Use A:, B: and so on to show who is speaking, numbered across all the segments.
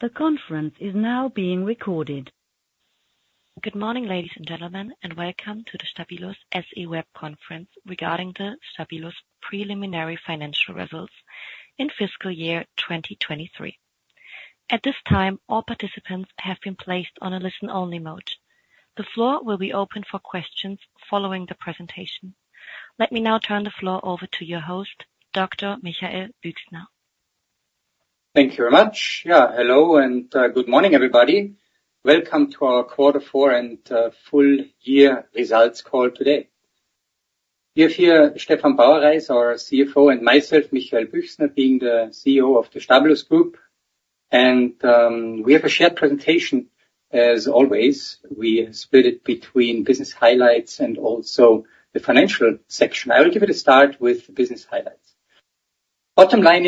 A: The conference is now being recorded. Good morning, ladies and gentlemen, and welcome to the Stabilus SE web conference regarding the Stabilus preliminary financial results in fiscal year 2023. At this time, all participants have been placed on a listen-only mode. The floor will be open for questions following the presentation. Let me now turn the floor over to your host, Dr. Michael Büchsner.
B: Thank you very much. Yeah, hello, and good morning, everybody. Welcome to our Quarter Four and full year results call today. We have here Stefan Bauerreis, our CFO, and myself, Michael Büchsner, being the CEO of the Stabilus Group. And we have a shared presentation. As always, we split it between business highlights and also the financial section. I will give it a start with the business highlights. Bottom line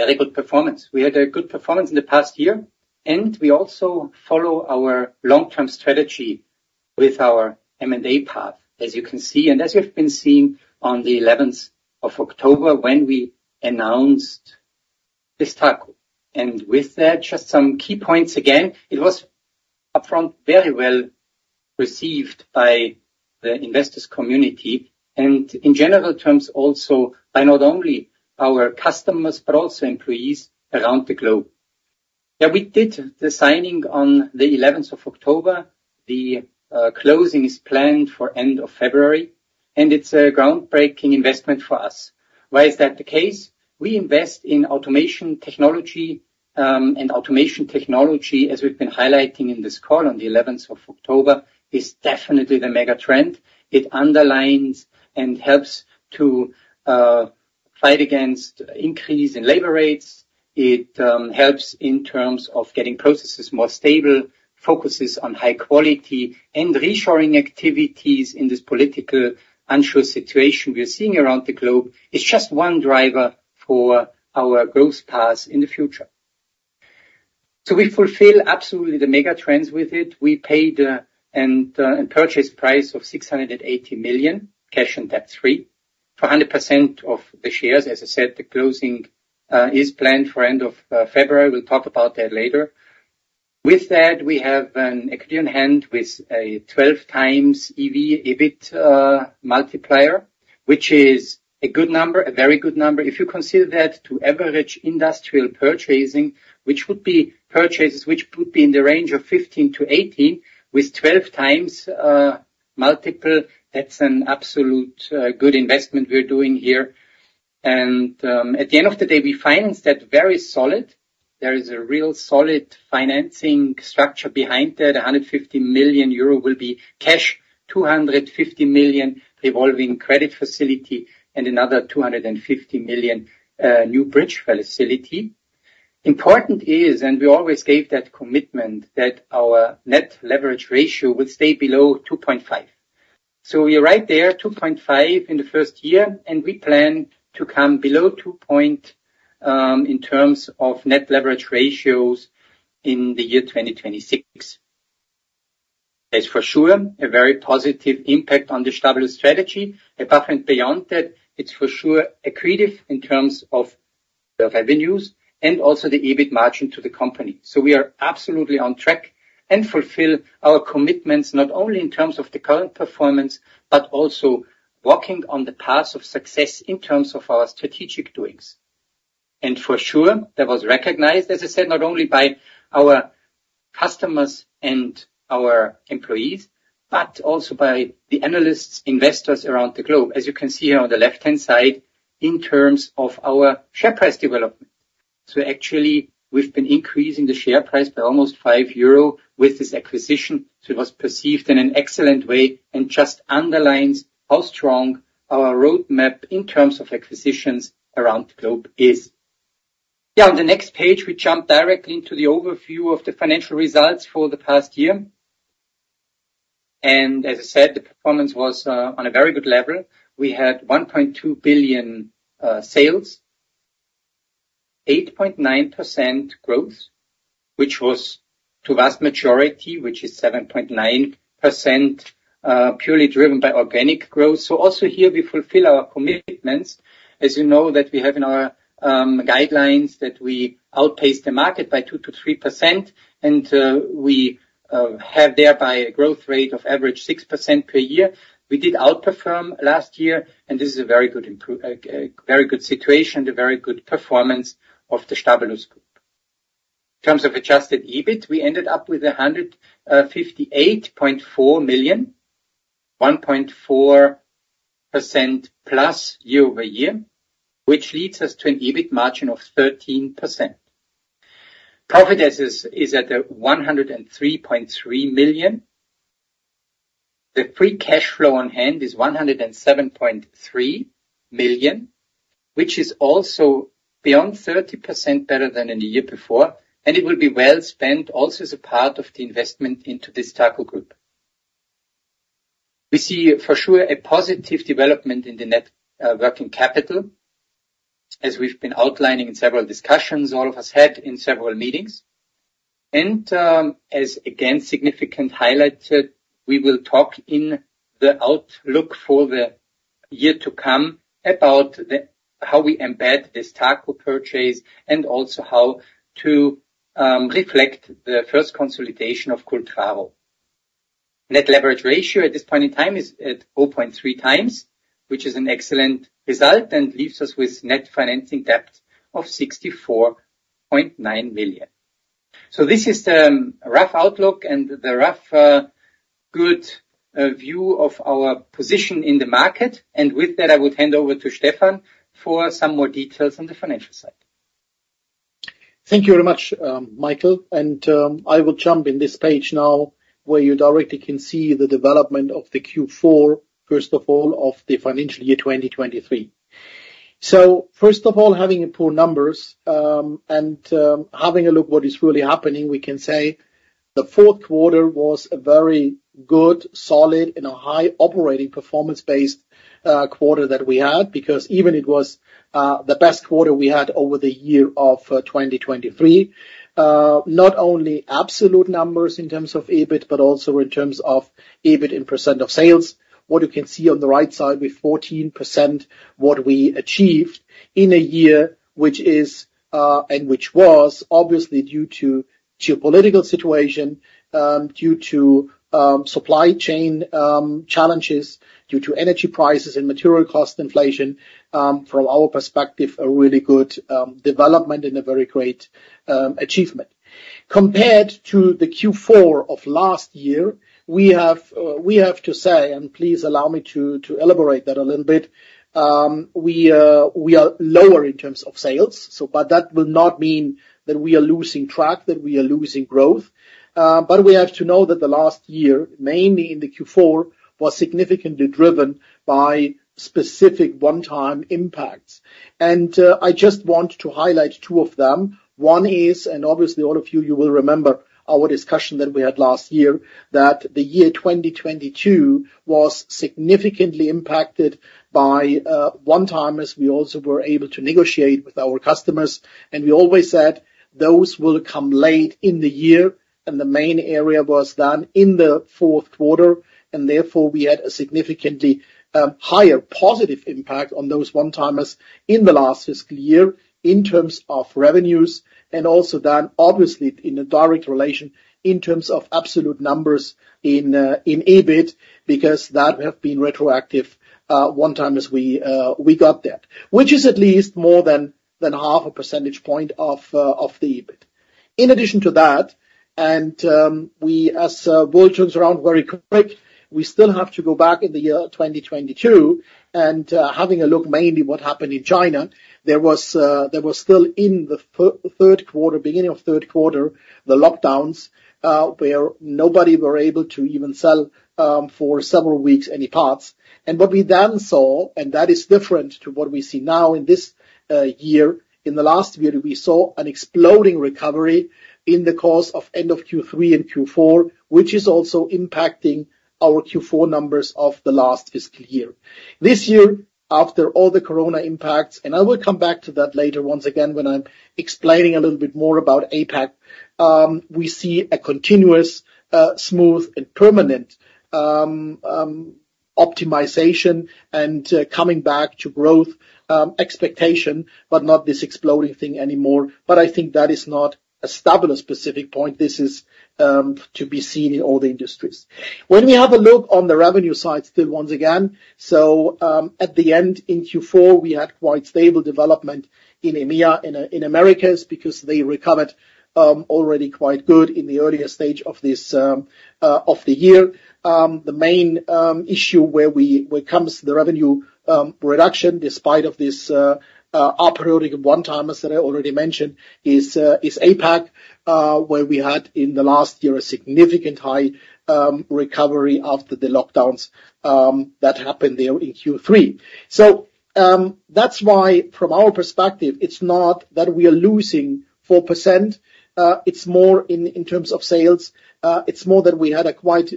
B: is, very good performance. We had a good performance in the past year, and we also follow our long-term strategy with our M&A path, as you can see. And as you've been seeing on the eleventh of October, when we announced this. And with that, just some key points again, it was upfront, very well received by the investors' community, and in general terms, also by not only our customers, but also employees around the globe. Yeah, we did the signing on the eleventh of October. The closing is planned for end of February, and it's a groundbreaking investment for us. Why is that the case? We invest in automation technology, and automation technology, as we've been highlighting in this call on the eleventh of October, is definitely the mega trend. It underlines and helps to fight against increase in labor rates. It helps in terms of getting processes more stable, focuses on high quality and reshoring activities in this political unsure situation we are seeing around the globe. It's just one driver for our growth path in the future. So we fulfill absolutely the mega trends with it. We paid and purchase price of $680 million, cash and debt free, for 100% of the shares. As I said, the closing is planned for end of February. We'll talk about that later. With that, we have an equity on hand with a 12x EV/EBIT multiplier, which is a good number, a very good number. If you consider that to average industrial purchasing, which would be purchases, which would be in the range of 15 to 18, with 12x multiple, that's an absolute good investment we're doing here. And at the end of the day, we finance that very solid. There is a real solid financing structure behind that. 150 million euro will be cash, 250 million revolving credit facility, and another 250 million new bridge facility. Important is, and we always gave that commitment, that our net leverage ratio would stay below 2.5. So we are right there, 2.5 in the first year, and we plan to come below 2 in terms of net leverage ratio in the year 2026. That's for sure a very positive impact on the Stabilus strategy. Apart and beyond that, it's for sure accretive in terms of the revenues and also the EBIT margin to the company. So we are absolutely on track and fulfill our commitments, not only in terms of the current performance, but also walking on the path of success in terms of our strategic doings. And for sure, that was recognized, as I said, not only by our customers and our employees, but also by the analysts, investors around the globe. As you can see here on the left-hand side, in terms of our share price development. So actually, we've been increasing the share price by almost 5 euro with this acquisition. So it was perceived in an excellent way and just underlines how strong our roadmap in terms of acquisitions around the globe is. Yeah, on the next page, we jump directly into the overview of the financial results for the past year, and as I said, the performance was on a very good level. We had 1.2 billion sales, 8.9% growth, which was the vast majority, which is 7.9%, purely driven by organic growth. So also here, we fulfill our commitments. As you know, that we have in our guidelines, that we outpace the market by 2% to 3%, and we have thereby a growth rate of average 6% per year. We did outperform last year, and this is a very good improvement, very good situation, a very good performance of the Stabilus Group. In terms of adjusted EBIT, we ended up with 158.4 million, 1.4% + year-over-year, which leads us to an EBIT margin of 13%. Profit, as is, is at 103.3 million. The free cash flow on hand is 107.3 million, which is also beyond 30% better than in the year before, and it will be well spent also as a part of the investment into this DESTACO group. We see, for sure, a positive development in the net working capital, as we've been outlining in several discussions all of us had in several meetings. As again significantly highlighted, we will talk in the outlook for the year to come about how we embed this DESTACO purchase, and also how to reflect the first consolidation of Cultraro. Net leverage ratio at this point in time is at 0.3 times, which is an excellent result, and leaves us with net financing debt of 64.9 million. So this is the rough outlook and the rough good view of our position in the market. And with that, I would hand over to Stefan for some more details on the financial side.
C: Thank you very much, Michael, and I will jump in this page now, where you directly can see the development of the Q4, first of all, of the financial year 2023. So first of all, having a poor numbers, and having a look what is really happening, we can say the fourth quarter was a very good, solid, and a high operating performance-based quarter that we had, because even it was the best quarter we had over the year of 2023. Not only absolute numbers in terms of EBIT, but also in terms of EBIT in % of sales. What you can see on the right side, with 14%, what we achieved in a year, which is, and which was obviously due to geopolitical situation, due to, supply chain, challenges, due to energy prices and material cost inflation, from our perspective, a really good, development and a very great, achievement. Compared to the Q4 of last year, we have, we have to say, and please allow me to, to elaborate that a little bit, we, we are lower in terms of sales, so but that will not mean that we are losing track, that we are losing growth. But we have to know that the last year, mainly in the Q4, was significantly driven by specific one-time impacts. I just want to highlight two of them. One is, and obviously all of you, you will remember our discussion that we had last year, that the year 2022 was significantly impacted by one-timers. We also were able to negotiate with our customers, and we always said those will come late in the year, and the main area was done in the fourth quarter, and therefore we had a significantly higher positive impact on those one-timers in the last fiscal year in terms of revenues, and also then, obviously, in a direct relation in terms of absolute numbers in EBIT, because that have been retroactive one time as we got that. Which is at least more than half a percentage point of the EBIT. In addition to that, as the world turns around very quick, we still have to go back in the year 2022, and having a look mainly what happened in China, there was still in the third quarter, beginning of third quarter, the lockdowns, where nobody were able to even sell, for several weeks, any parts. And what we then saw, and that is different to what we see now in this year, in the last year, we saw an exploding recovery in the course of end of Q3 and Q4, which is also impacting our Q4 numbers of the last fiscal year. This year, after all the Corona impacts, and I will come back to that later, once again, when I'm explaining a little bit more about APAC, we see a continuous, smooth and permanent, optimization and, coming back to growth, expectation, but not this exploding thing anymore. But I think that is not a Stabilus specific point. This is, to be seen in all the industries. When we have a look on the revenue side, still once again, so, at the end in Q4, we had quite stable development in EMEA, in Americas, because they recovered, already quite good in the earlier stage of this year. The main issue where we when it comes to the revenue reduction, despite of this operating one-timers that I already mentioned, is APAC, where we had in the last year, a significant high recovery after the lockdowns that happened there in Q3. So, that's why from our perspective, it's not that we are losing 4%, it's more in terms of sales, it's more that we had a quite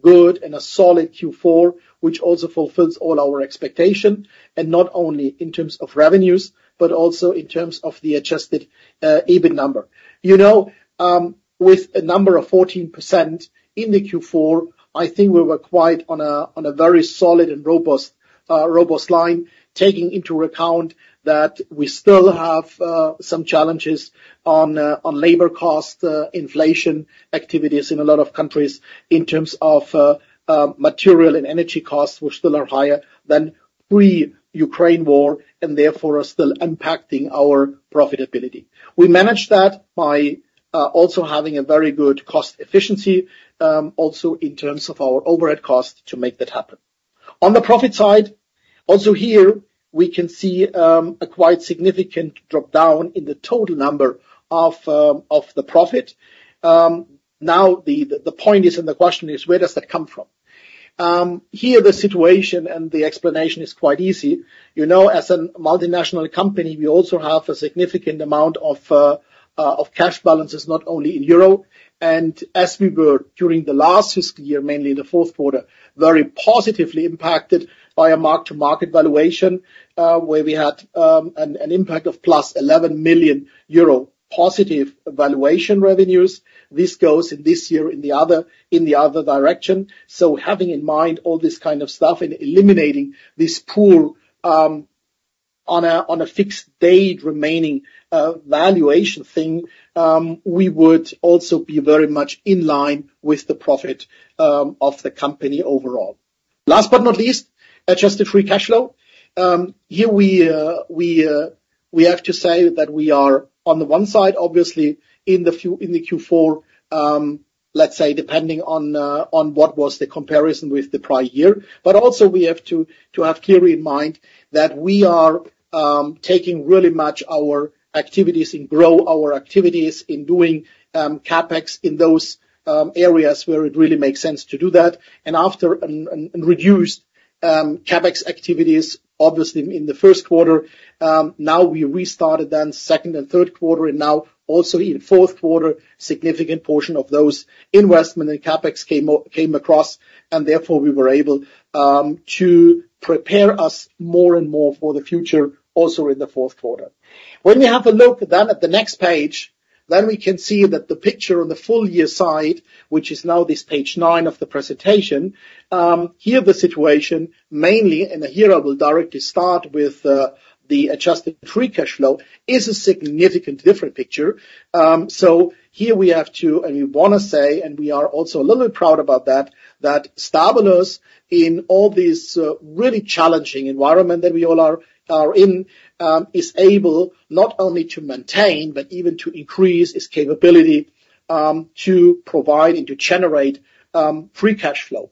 C: good and a solid Q4, which also fulfills all our expectation, and not only in terms of revenues, but also in terms of the adjusted EBIT number. You know, with a number of 14% in the Q4, I think we were quite on a, on a very solid and robust, robust line, taking into account that we still have some challenges on, on labor cost, inflation activities in a lot of countries in terms of, material and energy costs, which still are higher than pre-Ukraine war, and therefore, are still impacting our profitability. We managed that by also having a very good cost efficiency, also in terms of our overhead cost to make that happen. On the profit side, also here, we can see a quite significant drop down in the total number of, of the profit. Now, the point is and the question is, where does that come from? Here, the situation and the explanation is quite easy. You know, as a multinational company, we also have a significant amount of cash balances, not only in euro, and as we were during the last fiscal year, mainly in the fourth quarter, very positively impacted by a mark-to-market valuation, where we had an impact of +11 million euro positive valuation revenues. This goes in this year in the other direction. So having in mind all this kind of stuff and eliminating this poor on a fixed date remaining valuation thing, we would also be very much in line with the profit of the company overall. Last but not least, Adjusted Free Cash Flow. Here we have to say that we are, on the one side, obviously, in the few, in the Q4, let's say, depending on, on what was the comparison with the prior year. But also we have to have clear in mind that we are taking really much our activities and grow our activities in doing CapEx in those areas where it really makes sense to do that. And after, and reduced CapEx activities, obviously, in the first quarter, now we restarted then second and third quarter, and now also in fourth quarter, significant portion of those investment and CapEx came across, and therefore, we were able to prepare us more and more for the future, also in the fourth quarter. When you have a look then at the next page, then we can see that the picture on the full year side, which is now this page 9 of the presentation, here, the situation, mainly, and here I will directly start with, the adjusted free cash flow, is a significant different picture. So here we have to, and we wanna say, and we are also a little bit proud about that, that Stabilus, in all this, really challenging environment that we all are in, is able not only to maintain, but even to increase its capability, to provide and to generate, free cash flow.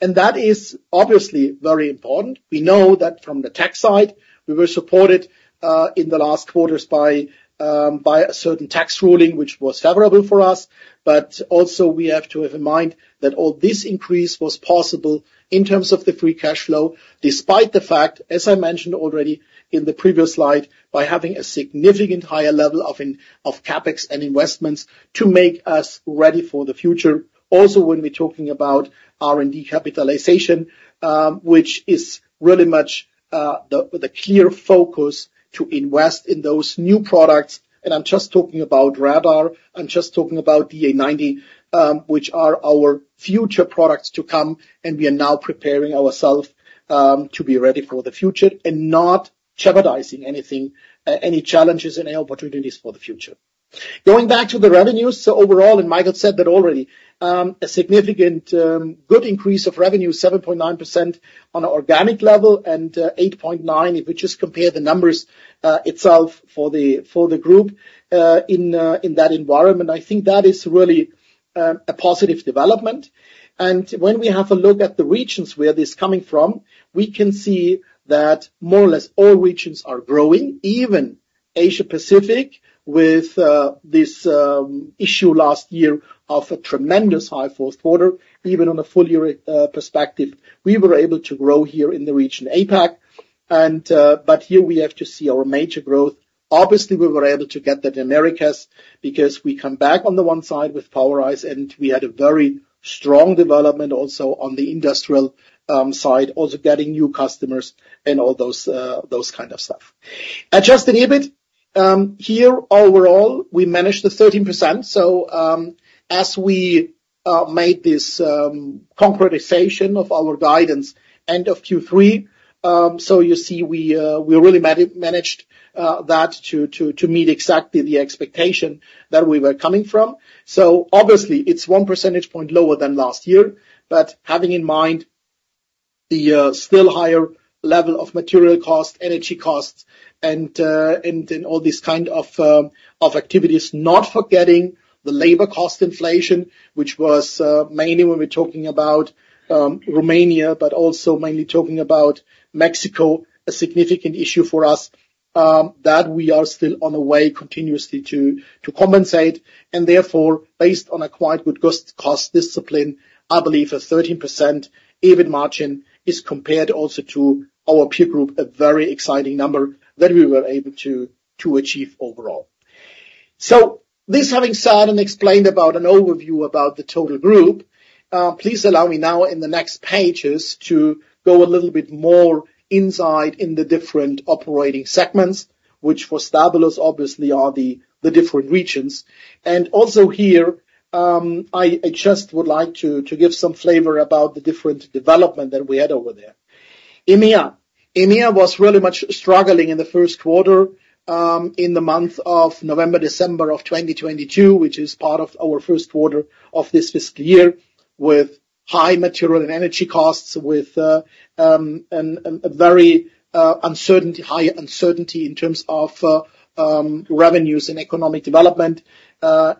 C: And that is obviously very important. We know that from the tax side, we were supported, in the last quarters by, a certain tax ruling, which was favorable for us. But also, we have to have in mind that all this increase was possible in terms of the free cash flow, despite the fact, as I mentioned already in the previous slide, by having a significant higher level of CapEx and investments to make us ready for the future. Also, when we're talking about R&D capitalization, which is really much the clear focus to invest in those new products, and I'm just talking about Radar, I'm just talking about the A90, which are our future products to come, and we are now preparing ourself to be ready for the future and not jeopardizing anything, any challenges and opportunities for the future. Going back to the revenues, so overall, and Michael said that already, a significant, good increase of revenue, 7.9% on an organic level, and, 8.9, if we just compare the numbers, itself for the group, in that environment. I think that is really, a positive development. And when we have a look at the regions where this coming from, we can see that more or less all regions are growing, even Asia Pacific, with this issue last year of a tremendous high fourth quarter, even on a full year perspective, we were able to grow here in the region, APAC. And, but here we have to see our major growth. Obviously, we were able to get that in Americas, because we come back on the one side with POWERISE, and we had a very strong development also on the industrial side, also getting new customers and all those kind of stuff. Adjusted EBIT here, overall, we managed the 13%, so as we made this concretization of our guidance end of Q3, so you see, we really managed that to meet exactly the expectation that we were coming from. So obviously, it's one percentage point lower than last year, but having in mind the still higher level of material costs, energy costs, and then all these kind of activities, not forgetting the labor cost inflation, which was mainly when we're talking about Romania, but also mainly talking about Mexico, a significant issue for us, that we are still on the way continuously to compensate, and therefore, based on a quite good cost discipline, I believe a 13% EBIT margin is compared also to our peer group, a very exciting number that we were able to achieve overall. So this having said and explained about an overview about the total group, please allow me now in the next pages to go a little bit more inside in the different operating segments, which for Stabilus, obviously are the different regions. And also here, I just would like to give some flavor about the different development that we had over there. EMEA. EMEA was really much struggling in the first quarter, in the month of November, December of 2022, which is part of our first quarter of this fiscal year, with high material and energy costs, with a very high uncertainty in terms of revenues and economic development,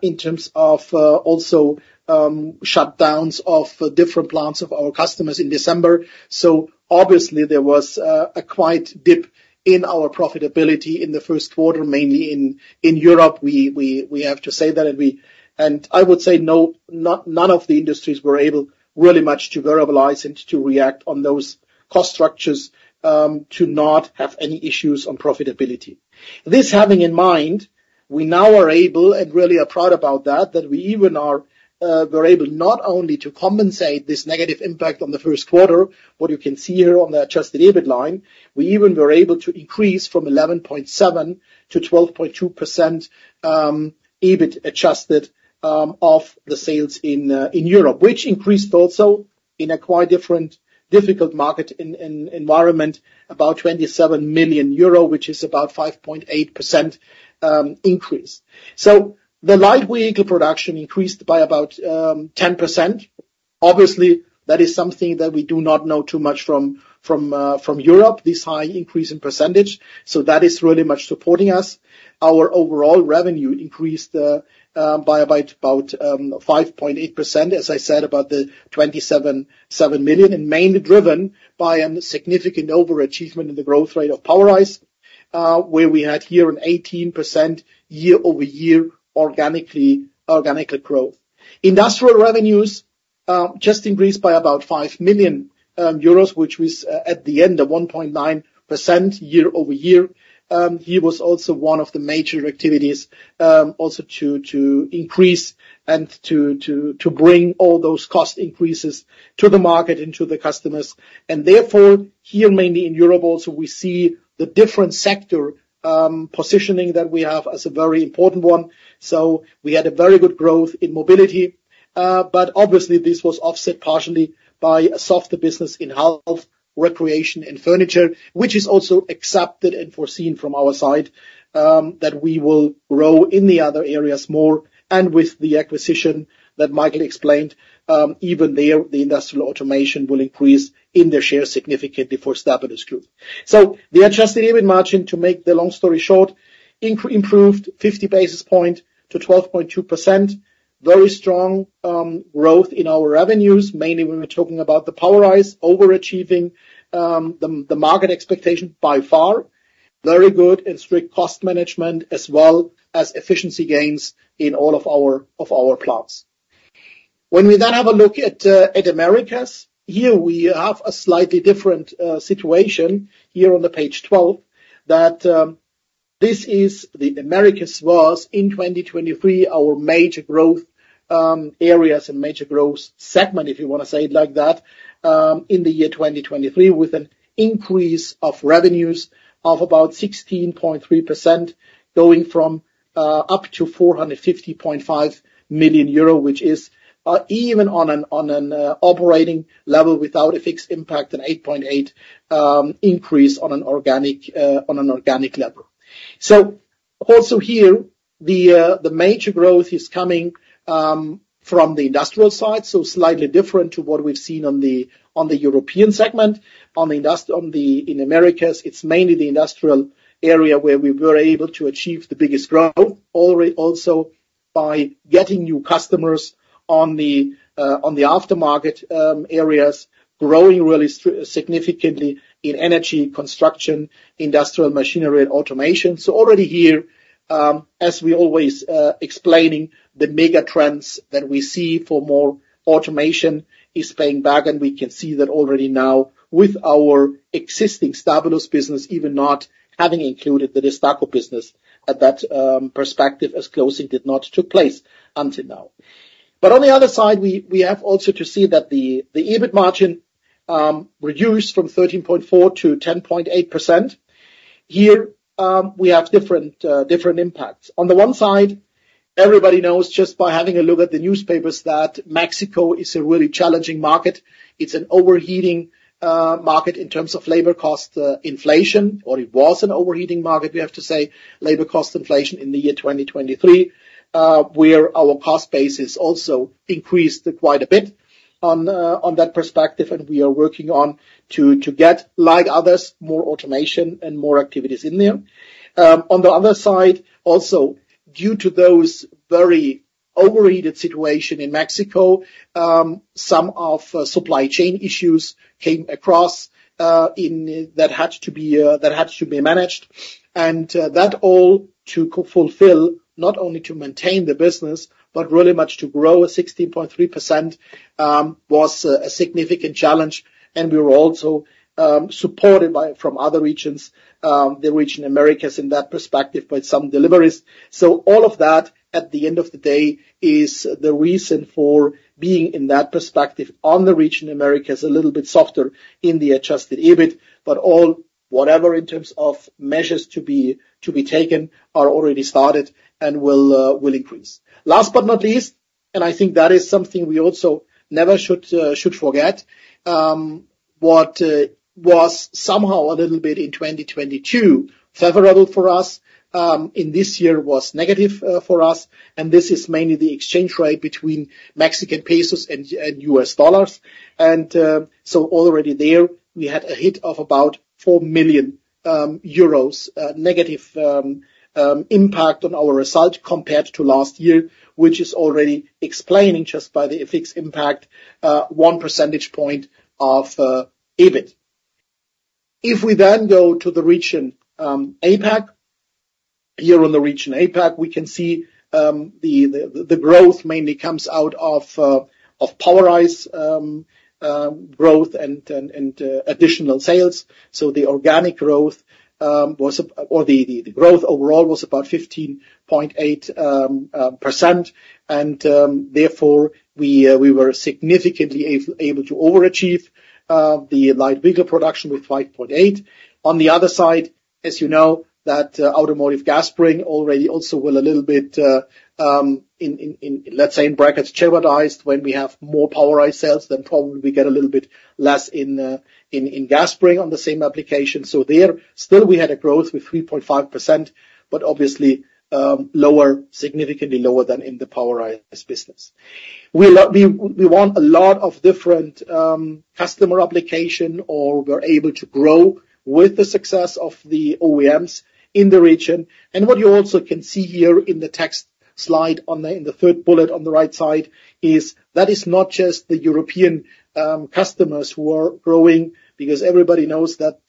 C: in terms of also shutdowns of different plants of our customers in December. So obviously, there was a quite dip in our profitability in the first quarter, mainly in Europe. We have to say that, and I would say none of the industries were able really much to verbalize and to react on those cost structures, to not have any issues on profitability. This having in mind, we now are able, and really are proud about that, that we even are, we're able not only to compensate this negative impact on the first quarter, what you can see here on the Adjusted EBIT line, we even were able to increase from 11.7% to 12.2%, EBIT adjusted, of the sales in, in Europe, which increased also in a quite different difficult market environment, 27 million euro, which is about 5.8% increase. So the Light Vehicle Production increased by about, 10%.... Obviously, that is something that we do not know too much from, from, from Europe, this high increase in percentage, so that is really much supporting us. Our overall revenue increased by about 5.8%, as I said, about the 277 million, and mainly driven by a significant overachievement in the growth rate of POWERISE, where we had here an 18% year-over-year organically growth. Industrial revenues just increased by about 5 million euros, which was at the end a 1.9% year-over-year. Here was also one of the major activities also to bring all those cost increases to the market and to the customers. And therefore, here, mainly in Europe also, we see the different sector positioning that we have as a very important one. So we had a very good growth in mobility, but obviously, this was offset partially by a softer business in health, recreation, and furniture, which is also accepted and foreseen from our side, that we will grow in the other areas more. And with the acquisition that Michael explained, even there, the industrial automation will increase in their share significantly for Stabilus Group. So the adjusted EBIT margin, to make the long story short, improved 50 basis points to 12.2%. Very strong growth in our revenues, mainly when we're talking about the POWERISE, overachieving the market expectation by far. Very good and strict cost management, as well as efficiency gains in all of our plants. When we then have a look at Americas, here we have a slightly different situation here on the page 12, that this is the—Americas was, in 2023, our major growth areas and major growth segment, if you wanna say it like that, in the year 2023, with an increase of revenues of about 16.3%, going from up to 450.5 million euro, which is even on an, on an operating level without an FX impact, an 8.8 increase on an organic, on an organic level. So also here, the major growth is coming from the industrial side, so slightly different to what we've seen on the European segment. On the, in Americas, it's mainly the industrial area where we were able to achieve the biggest growth, already also by getting new customers on the aftermarket areas, growing really significantly in energy, construction, industrial machinery and automation. So already here, as we always explaining the mega trends that we see for more automation is paying back, and we can see that already now with our existing Stabilus business, even not having included the DESTACO business at that perspective, as closing did not took place until now. But on the other side, we have also to see that the EBIT margin reduced from 13.4% to 10.8%. Here, we have different different impacts. On the one side, everybody knows, just by having a look at the newspapers, that Mexico is a really challenging market. It's an overheating market in terms of labor cost inflation, or it was an overheating market, we have to say, labor cost inflation in the year 2023, where our cost base has also increased quite a bit on that perspective, and we are working on to get, like others, more automation and more activities in there. On the other side, also, due to those very overheated situation in Mexico, some of supply chain issues came across that had to be managed. That all to fulfill, not only to maintain the business, but really much to grow a 16.3%, was a significant challenge, and we were also supported by, from other regions, the region Americas, in that perspective, by some deliveries. So all of that, at the end of the day, is the reason for being in that perspective on the region Americas, a little bit softer in the Adjusted EBIT, but all, whatever in terms of measures to be taken, are already started and will increase. Last but not least, and I think that is something we also never should forget, what was somehow a little bit in 2022 favorable for us, in this year was negative for us, and this is mainly the exchange rate between Mexican pesos and US dollars. So already there, we had a hit of about 4 million euros negative impact on our result compared to last year, which is already explaining, just by the FX impact, 1 percentage point of EBIT. If we then go to the region APAC, here on the region APAC, we can see the growth mainly comes out of POWERISE growth and additional sales. So the organic growth was, or the growth overall was about 15.8%. And therefore, we were significantly able to overachieve the light vehicle production with 5.8. On the other side, as you know, that automotive gas spring already also will a little bit, let's say, in brackets, jeopardized when we have more POWERISE sales, then probably we get a little bit less in gas spring on the same application. So there, still we had a growth with 3.5%, but obviously, lower, significantly lower than in the POWERISE business. We won a lot of different customer application, or were able to grow with the success of the OEMs in the region. What you also can see here in the text slide on the, in the third bullet on the right side, is that is not just the European customers who are growing, because everybody knows that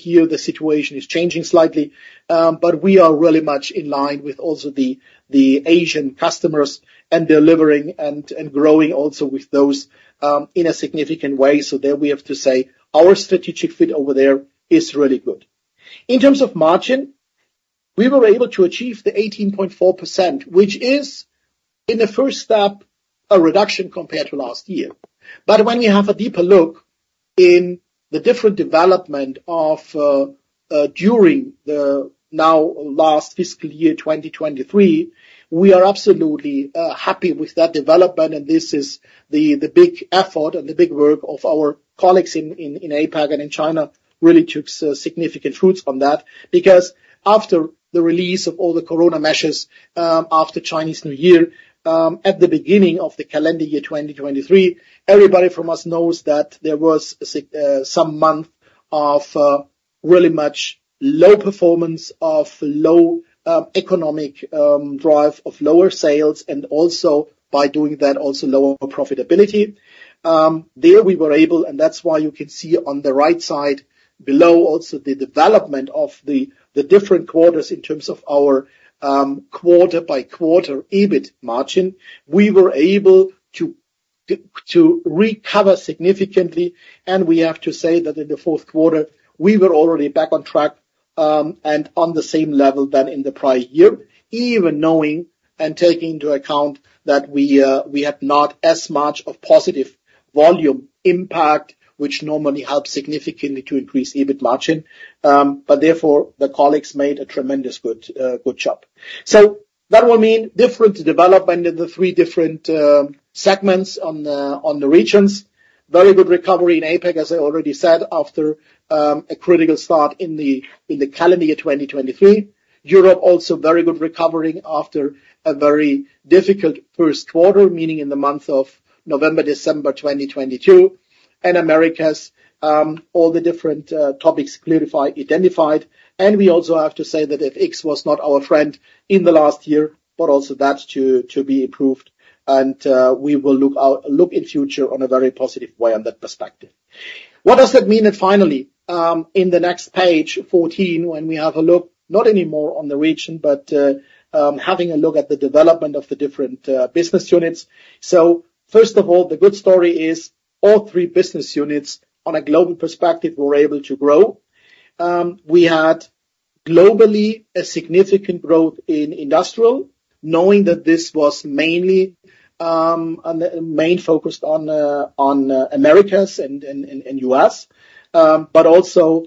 C: here the situation is changing slightly. But we are really much in line with also the, the Asian customers and delivering and, and growing also with those in a significant way. So there we have to say our strategic fit over there is really good. In terms of margin, we were able to achieve the 18.4%, which is, in the first step, a reduction compared to last year. But when you have a deeper look in the different development of during the now last fiscal year, 2023, we are absolutely happy with that development, and this is the big effort and the big work of our colleagues in APAC and in China, really took significant fruits from that. Because after the release of all the COVID measures, after Chinese New Year, at the beginning of the calendar year, 2023, everybody from us knows that there was some month of really much low performance, of low economic drive, of lower sales, and also by doing that, also lower profitability. There we were able, and that's why you can see on the right side below also the development of the different quarters in terms of our quarter-by-quarter EBIT margin. We were able to to recover significantly, and we have to say that in the fourth quarter, we were already back on track, and on the same level than in the prior year, even knowing and taking into account that we, we had not as much of positive volume impact, which normally helps significantly to increase EBIT margin. But therefore, the colleagues made a tremendous good, good job. So that will mean different development in the three different, segments on the, on the regions. Very good recovery in APAC, as I already said, after a critical start in the, in the calendar year, 2023. Europe also very good recovering after a very difficult first quarter, meaning in the month of November, December 2022. Americas, all the different topics clarified, identified, and we also have to say that if FX was not our friend in the last year, but also that's to be improved, and we will look in future on a very positive way on that perspective. What does that mean? Finally, in the next page 14, when we have a look, not anymore on the region, but having a look at the development of the different business units. So first of all, the good story is all three business units on a global perspective were able to grow. We had globally a significant growth in Industrial, knowing that this was mainly focused on Americas and U.S., but also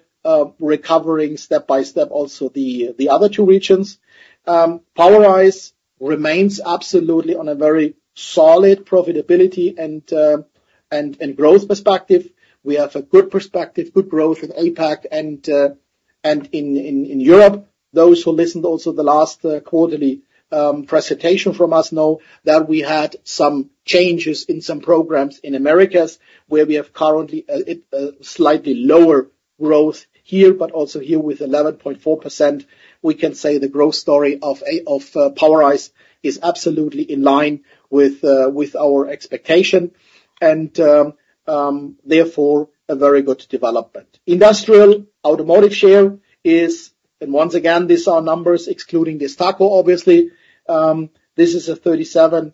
C: recovering step by step, also the other two regions. POWERISE remains absolutely on a very solid profitability and growth perspective. We have a good perspective, good growth in APAC and Europe. Those who listened also the last quarterly presentation from us know that we had some changes in some programs in Americas, where we have currently a slightly lower growth here, but also here with 11.4%, we can say the growth story of POWERISE is absolutely in line with our expectation, and therefore, a very good development. Industrial automotive share is, and once again, these are numbers excluding the DESTACO, obviously. This is a 37%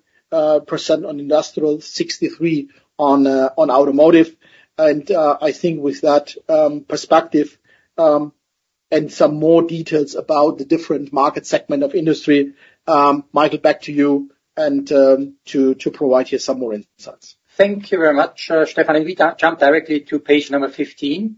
C: on industrial, 63% on automotive. I think with that perspective and some more details about the different market segment of industry, Michael, back to you and to provide you some more insights.
B: Thank you very much, Stefan. We jump directly to page 15.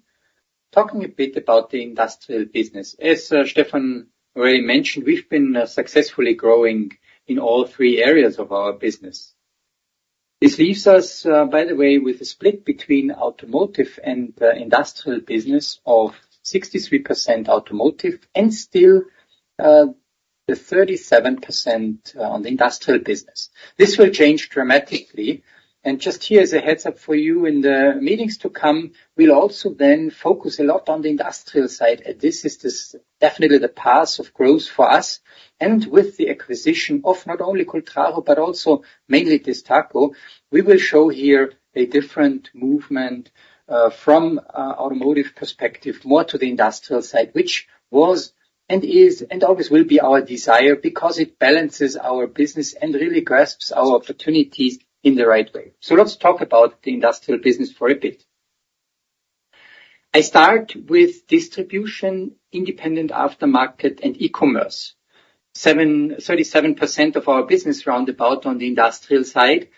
B: Talking a bit about the industrial business. As Stefan already mentioned, we've been successfully growing in all three areas of our business. This leaves us, by the way, with a split between automotive and industrial business of 63% automotive and still the 37% on the industrial business. This will change dramatically, and just here, as a heads-up for you in the meetings to come, we'll also then focus a lot on the industrial side, and this is just definitely the path of growth for us. And with the acquisition of not only Cultraro, but also mainly the DESTACO, we will show here a different movement from automotive perspective, more to the industrial side, which was-...and is, and always will be our desire, because it balances our business and really grasps our opportunities in the right way. So let's talk about the industrial business for a bit. I start with distribution, independent aftermarket, and e-commerce. 37% of our business roundabout on the industrial side,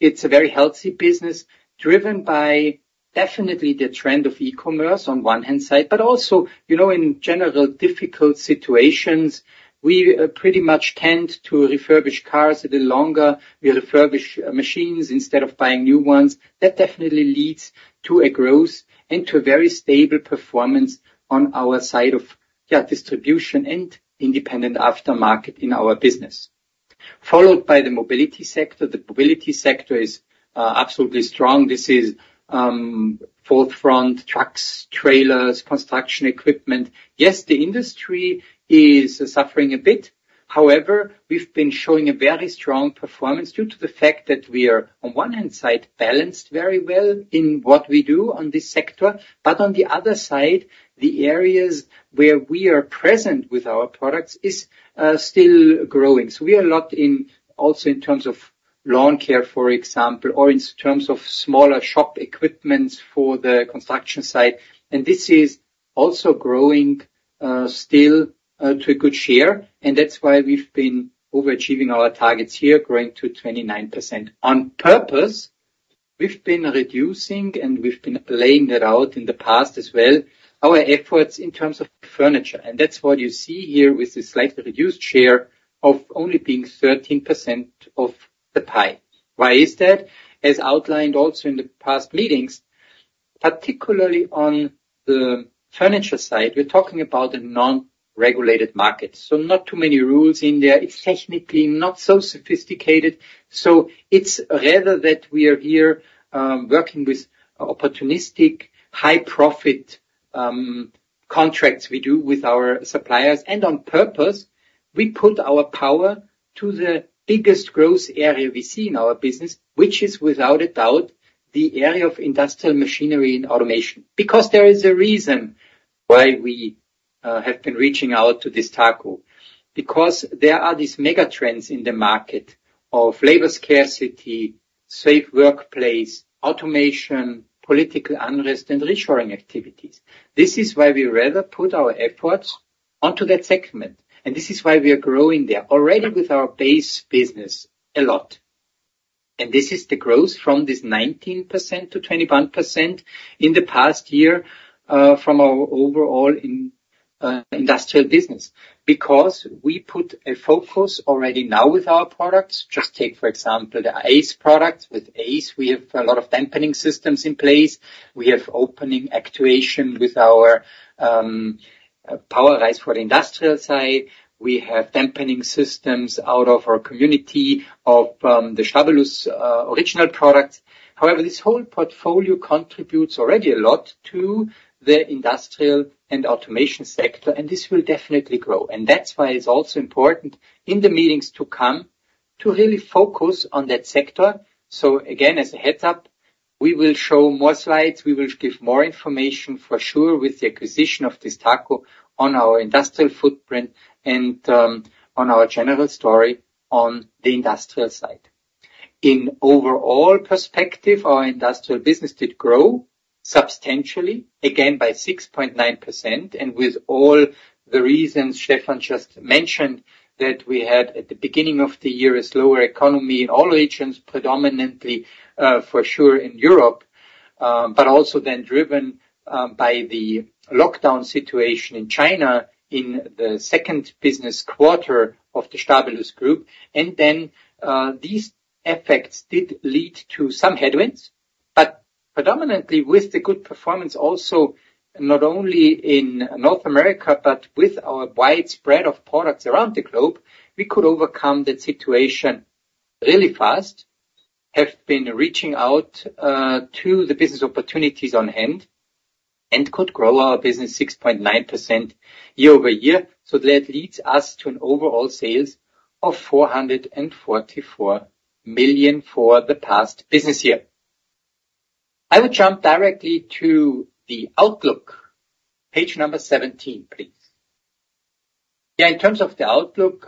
B: it's a very healthy business, driven by definitely the trend of e-commerce on one hand side, but also, you know, in general, difficult situations, we pretty much tend to refurbish cars a bit longer. We refurbish machines instead of buying new ones. That definitely leads to a growth and to a very stable performance on our side of, yeah, distribution and independent aftermarket in our business. Followed by the mobility sector. The mobility sector is absolutely strong. This is forefront trucks, trailers, construction equipment. Yes, the industry is suffering a bit. However, we've been showing a very strong performance due to the fact that we are, on one hand side, balanced very well in what we do on this sector, but on the other side, the areas where we are present with our products is, still growing. So we are a lot in, also in terms of lawn care, for example, or in terms of smaller shop equipments for the construction site, and this is also growing, still, to a good share, and that's why we've been overachieving our targets here, growing to 29%. On purpose, we've been reducing, and we've been laying it out in the past as well, our efforts in terms of furniture, and that's what you see here with the slightly reduced share of only being 13% of the pie. Why is that? As outlined also in the past meetings, particularly on the furniture side, we're talking about a non-regulated market, so not too many rules in there. It's technically not so sophisticated, so it's rather that we are here, working with opportunistic, high profit, contracts we do with our suppliers. And on purpose, we put our power to the biggest growth area we see in our business, which is, without a doubt, the area of industrial machinery and automation. Because there is a reason why we have been reaching out to this DESTACO. Because there are these mega trends in the market of labor scarcity, safe workplace, automation, political unrest, and reshoring activities. This is why we rather put our efforts onto that segment, and this is why we are growing there, already with our base business, a lot. This is the growth from this 19% to 21% in the past year from our overall industrial business. Because we put a focus already now with our products. Just take, for example, the ACE product. With ACE, we have a lot of damping systems in place. We have opening actuation with our POWERISE for the industrial side. We have damping systems out of our community of the Stabilus original product. However, this whole portfolio contributes already a lot to the industrial and automation sector, and this will definitely grow. That's why it's also important, in the meetings to come, to really focus on that sector. So again, as a heads-up, we will show more slides, we will give more information, for sure, with the acquisition of DESTACO on our industrial footprint and, on our general story on the industrial side. In overall perspective, our industrial business did grow substantially, again, by 6.9%, and with all the reasons Stefan just mentioned, that we had, at the beginning of the year, a slower economy in all regions, predominantly, for sure, in Europe, but also then driven, by the lockdown situation in China, in the second business quarter of the Stabilus group. And then, these effects did lead to some headwinds, but predominantly with the good performance also, not only in North America, but with our wide spread of products around the globe, we could overcome the situation really fast, have been reaching out, to the business opportunities on hand, and could grow our business 6.9% year-over-year. So that leads us to an overall sales of 444 million for the past business year. I will jump directly to the outlook. Page number seventeen, please. Yeah, in terms of the outlook,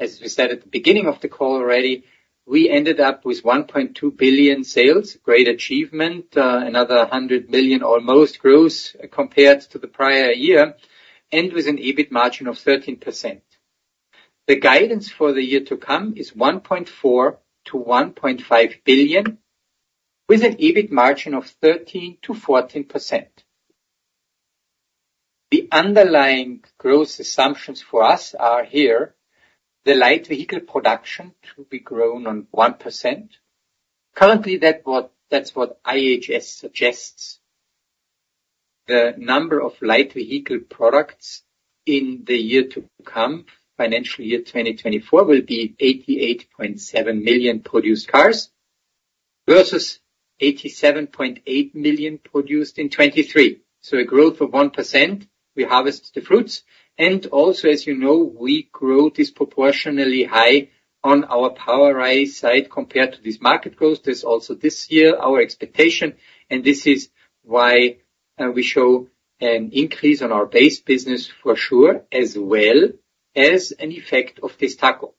B: as we said at the beginning of the call already, we ended up with 1.2 billion sales. Great achievement, another 100 million or almost growth compared to the prior year, and with an EBIT margin of 13%. The guidance for the year to come is 1.4 billion to 1.5 billion, with an EBIT margin of 13% to 14%. The underlying growth assumptions for us are here, the light vehicle production to be grown on 1%. Currently, that's what IHS suggests. The number of light vehicle products in the year to come, financial year 2024, will be 88.7 million produced cars, versus 87.8 million produced in 2023. So a growth of 1%, we harvest the fruits, and also, as you know, we growth is proportionally high on our POWERISE side compared to this market growth, there's also this year our expectation, and this is why, we show an increase on our base business for sure, as well as an effect of this DESTACO.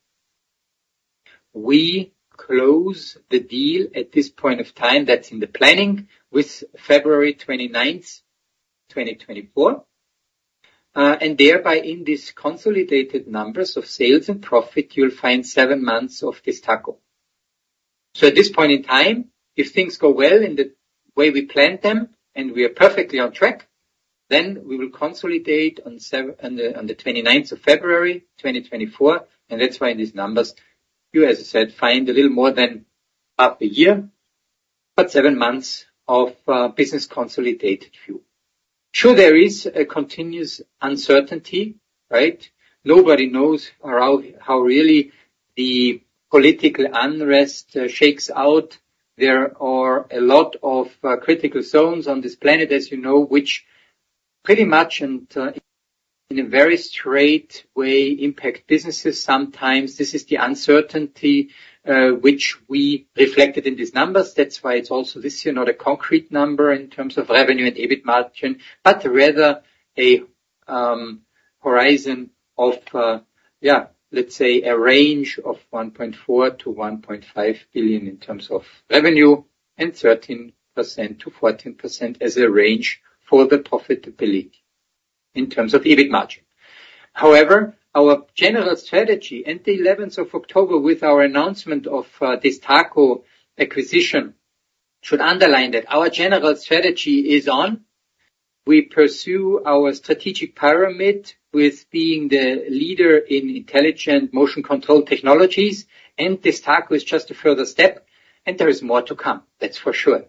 B: We close the deal at this point of time, that's in the planning, with February 29, 2024. And thereby, in these consolidated numbers of sales and profit, you'll find seven months of DESTACO. So at this point in time, if things go well in the way we planned them, and we are perfectly on track, then we will consolidate on the 29th of February, 2024, and that's why in these numbers, you, as I said, find a little more than half a year, but seven months of business consolidated view. Sure, there is a continuous uncertainty, right? Nobody knows around how really the political unrest shakes out. There are a lot of critical zones on this planet, as you know, which pretty much, and in a very straight way, impact businesses. Sometimes, this is the uncertainty which we reflected in these numbers. That's why it's also this year, not a concrete number in terms of revenue and EBIT margin, but rather a horizon of, yeah, let's say a range of 1.4 billion to 1.5 billion in terms of revenue, and 13% to 14% as a range for the profitability in terms of EBIT margin. However, our general strategy, and the eleventh of October with our announcement of this DESTACO acquisition, should underline that our general strategy is on. We pursue our strategic pyramid with being the leader in intelligent motion control technologies, and this DESTACO is just a further step, and there is more to come. That's for sure.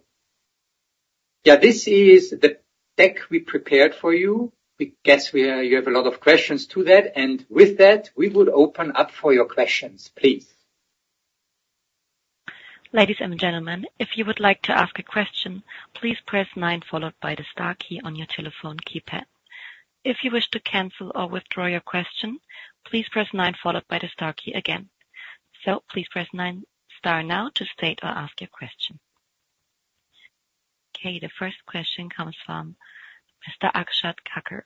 B: Yeah, this is the deck we prepared for you. We guess you have a lot of questions to that, and with that, we would open up for your questions, please.
A: Ladies and gentlemen, if you would like to ask a question, please press nine followed by the star key on your telephone keypad. If you wish to cancel or withdraw your question, please press nine followed by the star key again. So please press nine, star now to state or ask your question. Okay, the first question comes from Mr. Akshat Kacker.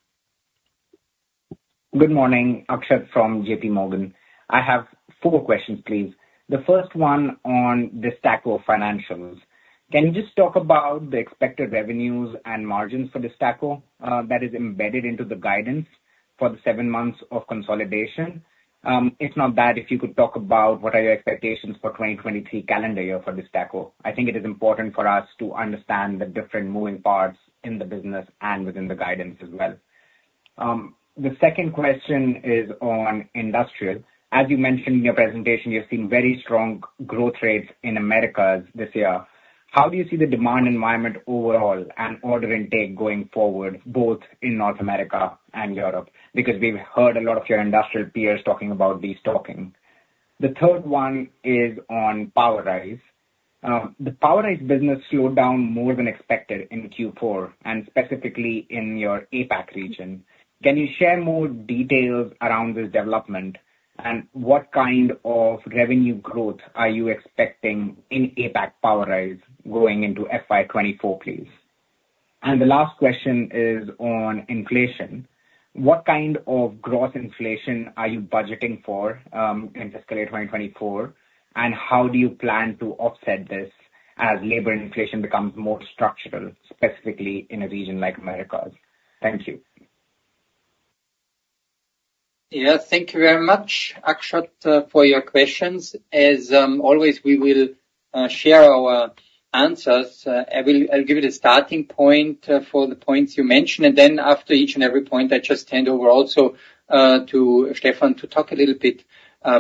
D: Good morning, Akshat from JP Morgan. I have four questions, please. The first one on the DESTACO financials. Can you just talk about the expected revenues and margins for the DESTACO that is embedded into the guidance for the seven months of consolidation? If not that, if you could talk about what are your expectations for 2023 calendar year for this DESTACO. I think it is important for us to understand the different moving parts in the business and within the guidance as well. The second question is on industrial. As you mentioned in your presentation, you're seeing very strong growth rates in Americas this year. How do you see the demand environment overall and order intake going forward, both in North America and Europe? Because we've heard a lot of your industrial peers talking about destocking. The third one is on POWERISE. The POWERISE business slowed down more than expected in Q4, and specifically in your APAC region. Can you share more details around this development, and what kind of revenue growth are you expecting in APAC POWERISE going into FY 2024, please? And the last question is on inflation. What kind of gross inflation are you budgeting for, in fiscal year 2024, and how do you plan to offset this as labor inflation becomes more structural, specifically in a region like Americas? Thank you.
B: Yeah, thank you very much, Akshat, for your questions. As always, we will share our answers. I'll give you the starting point for the points you mentioned, and then after each and every point, I just hand over also to Stefan to talk a little bit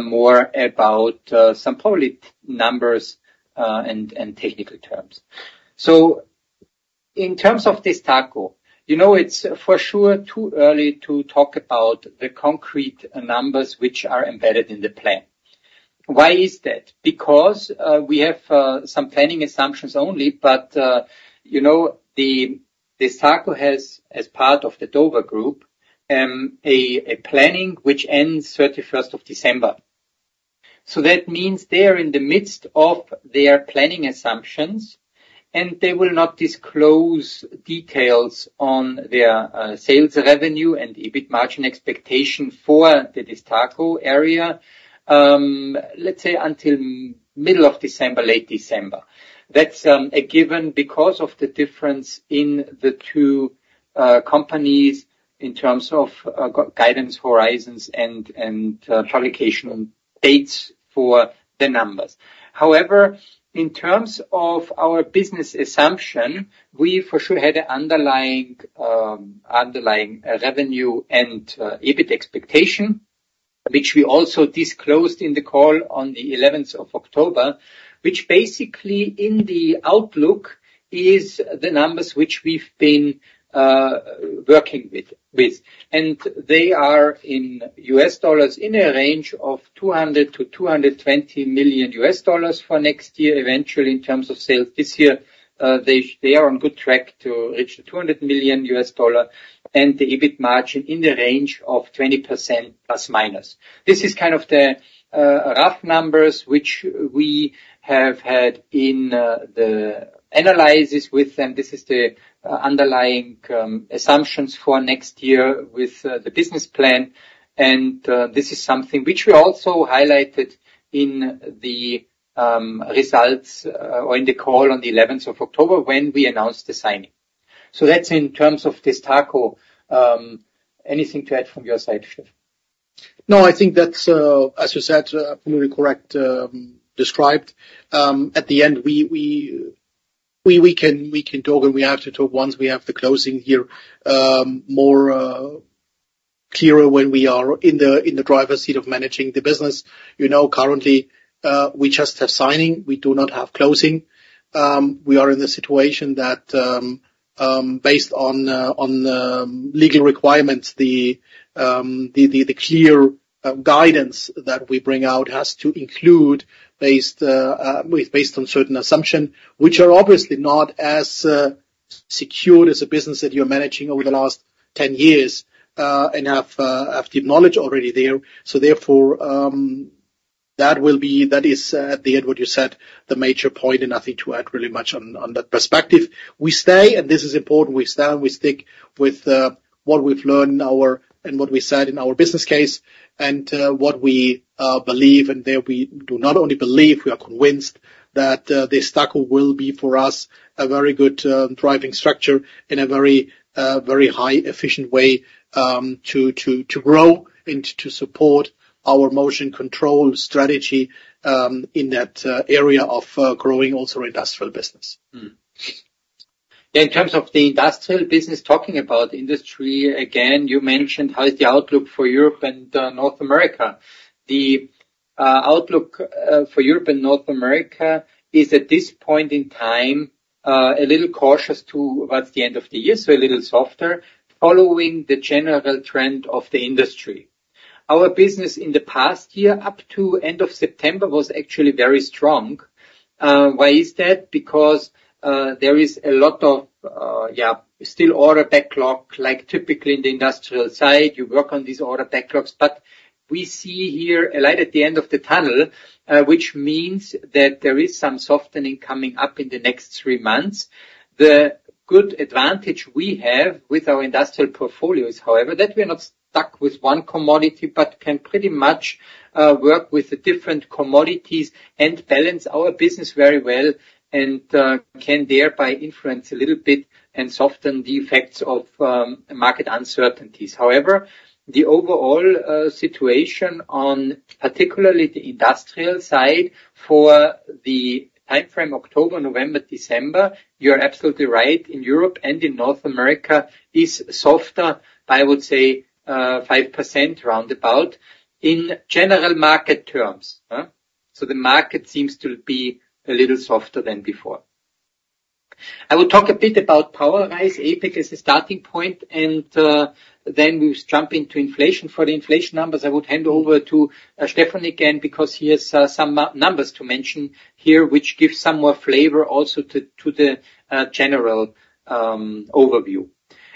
B: more about some probably numbers and technical terms. So in terms of this DESTACO, you know, it's for sure too early to talk about the concrete numbers which are embedded in the plan. Why is that? Because we have some planning assumptions only, but you know, the DESTACO has, as part of the Dover Group, a planning which ends thirty-first of December. So that means they are in the midst of their planning assumptions, and they will not disclose details on their sales revenue and EBIT margin expectation for the DESTACO area, let's say until middle of December, late December. That's a given because of the difference in the two companies in terms of guidance horizons and publication dates for the numbers. However, in terms of our business assumption, we for sure had an underlying revenue and EBIT expectation which we also disclosed in the call on the eleventh of October, which basically, in the outlook, is the numbers which we've been working with. And they are in US dollars, in a range of $200 million to $220 million for next year, eventually, in terms of sales this year, they are on good track to reach $200 million and the EBIT margin in the range of 20%, ±. This is kind of the rough numbers which we have had in the analysis with them. This is the underlying assumptions for next year with the business plan, and this is something which we also highlighted in the results or in the call on the eleventh of October, when we announced the signing. So that's in terms of DESTACO, anything to add from your side, Stefan?
C: No, I think that's, as you said, fully correct, described. At the end, we can talk when we have to talk, once we have the closing here, more clearer when we are in the driver's seat of managing the business. You know, currently, we just have signing, we do not have closing. We are in the situation that, based on the legal requirements, the clear guidance that we bring out has to include based with based on certain assumption, which are obviously not as secure as a business that you're managing over the last 10 years, and have deep knowledge already there. Therefore, that is, at the end what you said, the major point, and nothing to add really much on that perspective. We stay, and this is important, we stay and we stick with what we've learned in our and what we said in our business case, and what we believe, and there we do not only believe, we are convinced that this DESTACO will be, for us, a very good driving structure in a very high efficient way to grow and to support our motion control strategy in that area of growing also industrial business.
B: In terms of the industrial business, talking about industry, again, you mentioned how is the outlook for Europe and North America. The outlook for Europe and North America is, at this point in time, a little cautious to towards the end of the year, so a little softer, following the general trend of the industry. Our business in the past year, up to end of September, was actually very strong. Why is that? Because, there is a lot of, yeah, still order backlog, like typically in the industrial side, you work on these order backlogs. But we see here a light at the end of the tunnel, which means that there is some softening coming up in the next three months. The good advantage we have with our industrial portfolios, however, that we're not stuck with one commodity, but can pretty much work with the different commodities and balance our business very well, and can thereby influence a little bit and soften the effects of market uncertainties. However, the overall situation on particularly the industrial side for the timeframe October, November, December, you're absolutely right, in Europe and in North America, is softer, I would say, 5% roundabout in general market terms, huh? So the market seems to be a little softer than before. I will talk a bit about POWERISE, APAC as a starting point, and then we'll jump into inflation. For the inflation numbers, I would hand over to Stefan again, because he has some numbers to mention here, which gives some more flavor also to the general overview.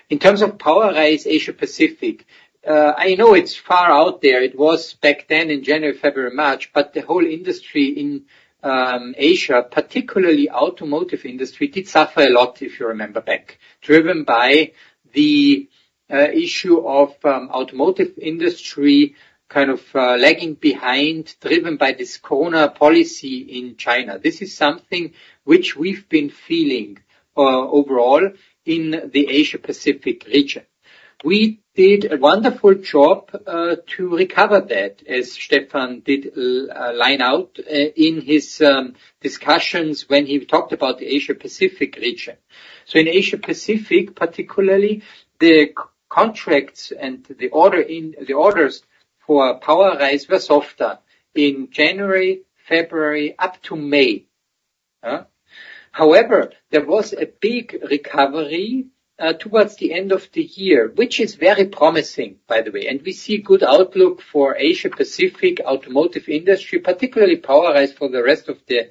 B: In terms of POWERISE Asia Pacific, I know it's far out there. It was back then in January, February, March, but the whole industry in Asia, particularly automotive industry, did suffer a lot, if you remember back, driven by the issue of automotive industry, kind of lagging behind, driven by this corona policy in China. This is something which we've been feeling overall in the Asia Pacific region. We did a wonderful job to recover that, as Stefan did lay out in his discussions when he talked about the Asia Pacific region. In Asia Pacific, particularly, the contracts and the orders for POWERISE were softer in January, February, up to May. However, there was a big recovery towards the end of the year, which is very promising, by the way, and we see good outlook for Asia Pacific automotive industry, particularly POWERISE for the rest of the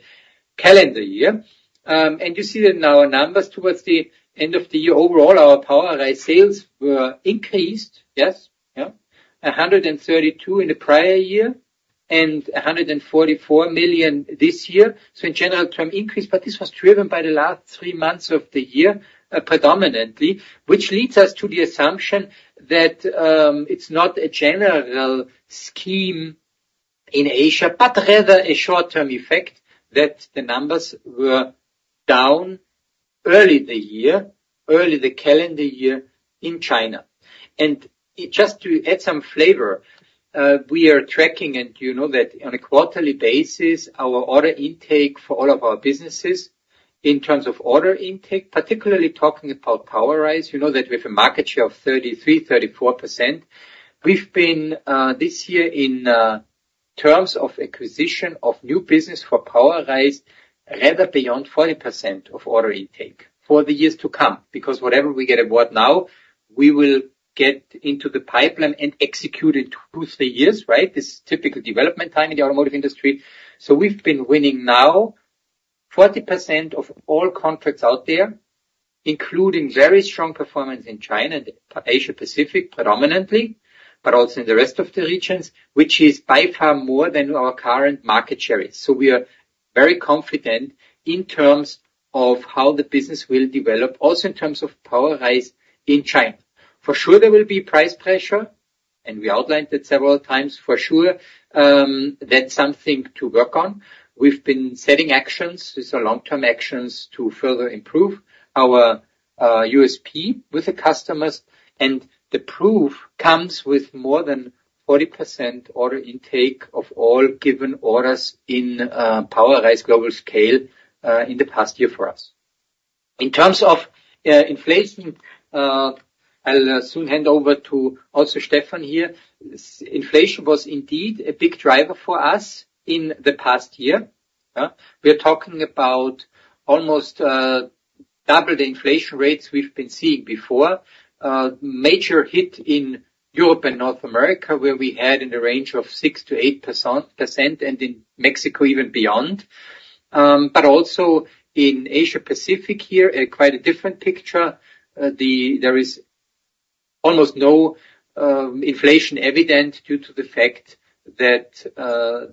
B: calendar year. And you see it in our numbers towards the end of the year, overall, our POWERISE sales were increased, yes, yeah. 132 million in the prior year, and 144 million this year. So in general term, increase, but this was driven by the last three months of the year, predominantly, which leads us to the assumption that, it's not a general scheme in Asia, but rather a short-term effect, that the numbers were down early the year, early the calendar year in China. Just to add some flavor, we are tracking, and you know that on a quarterly basis, our order intake for all of our businesses in terms of order intake, particularly talking about POWERISE, you know that we have a market share of 33% to 34%. We've been, this year in terms of acquisition of new business for POWERISE, rather beyond 40% of order intake for the years to come. Because whatever we get award now, we will get into the pipeline and execute in 2 to 3 years, right? This is typical development time in the automotive industry. So we've been winning now 40% of all contracts out there, including very strong performance in China and Asia Pacific, predominantly, but also in the rest of the regions, which is by far more than our current market share is. So we are very confident in terms of how the business will develop, also in terms of POWERISE in China. For sure, there will be price pressure, and we outlined it several times. For sure, that's something to work on. We've been setting actions. These are long-term actions to further improve our USP with the customers, and the proof comes with more than 40% order intake of all given orders in POWERISE global scale in the past year for us. In terms of inflation, I'll soon hand over to also Stefan here. Inflation was indeed a big driver for us in the past year, yeah? We are talking about almost double the inflation rates we've been seeing before. Major hit in Europe and North America, where we had in the range of 6% to 8%, and in Mexico, even beyond. But also in Asia Pacific here, quite a different picture. There is almost no inflation evident due to the fact that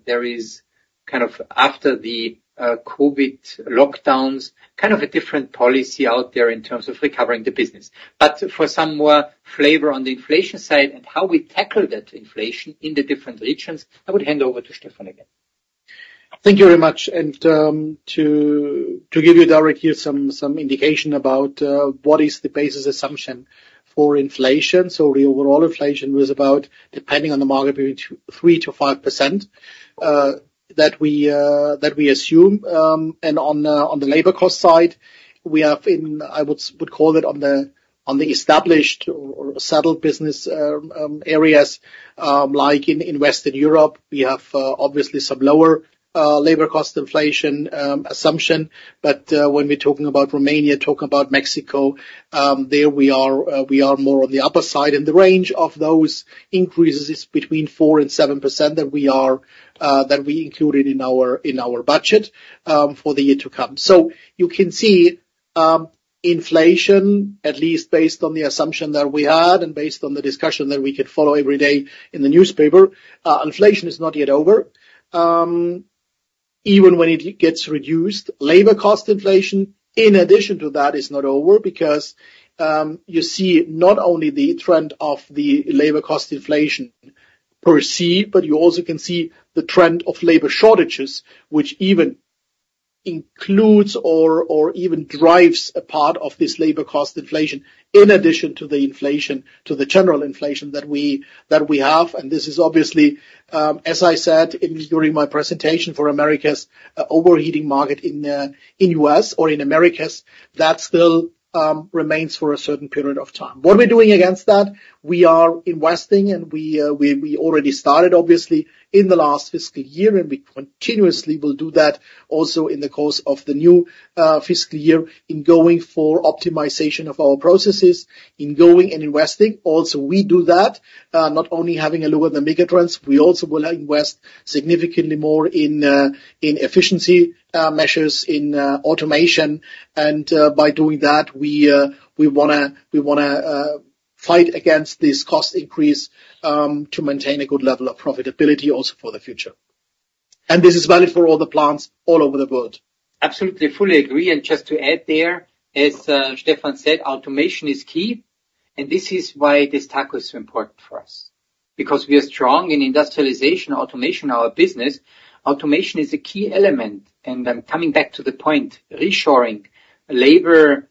B: there is kind of, after the COVID lockdowns, kind of a different policy out there in terms of recovering the business. But for some more flavor on the inflation side and how we tackle that inflation in the different regions, I would hand over to Stefan again.
C: Thank you very much, and to give you directly some indication about what is the basis assumption for inflation. So the overall inflation was about, depending on the market, between 2 to 3% to 5% that we assume. And on the labor cost side, we have, I would call it, on the established or settled business areas, like in Western Europe, we have obviously some lower labor cost inflation assumption. But when we're talking about Romania and Mexico, there we are more on the upper side. And the range of those increases is between 4% and 7% that we included in our budget for the year to come. So you can see, inflation, at least based on the assumption that we had and based on the discussion that we could follow every day in the newspaper, inflation is not yet over. Even when it gets reduced, labor cost inflation, in addition to that, is not over because, you see not only the trend of the labor cost inflation per se, but you also can see the trend of labor shortages, which even includes or even drives a part of this labor cost inflation, in addition to the inflation, to the general inflation that we have. And this is obviously, as I said during my presentation for Americas, overheating market in the U.S. or in Americas, that still remains for a certain period of time. What are we doing against that? We are investing, and we already started, obviously, in the last fiscal year, and we continuously will do that also in the course of the new fiscal year, in going for optimization of our processes, in going and investing. Also, we do that, not only having a look at the mega trends, we also will invest significantly more in efficiency measures, in automation. And, by doing that, we wanna fight against this cost increase, to maintain a good level of profitability also for the future. And this is valid for all the plants all over the world.
B: Absolutely, fully agree, and just to add there, as Stefan said, automation is key, and this is why this DESTACO is so important for us. Because we are strong in industrialization, automation, our business. Automation is a key element, and I'm coming back to the point, reshoring, labor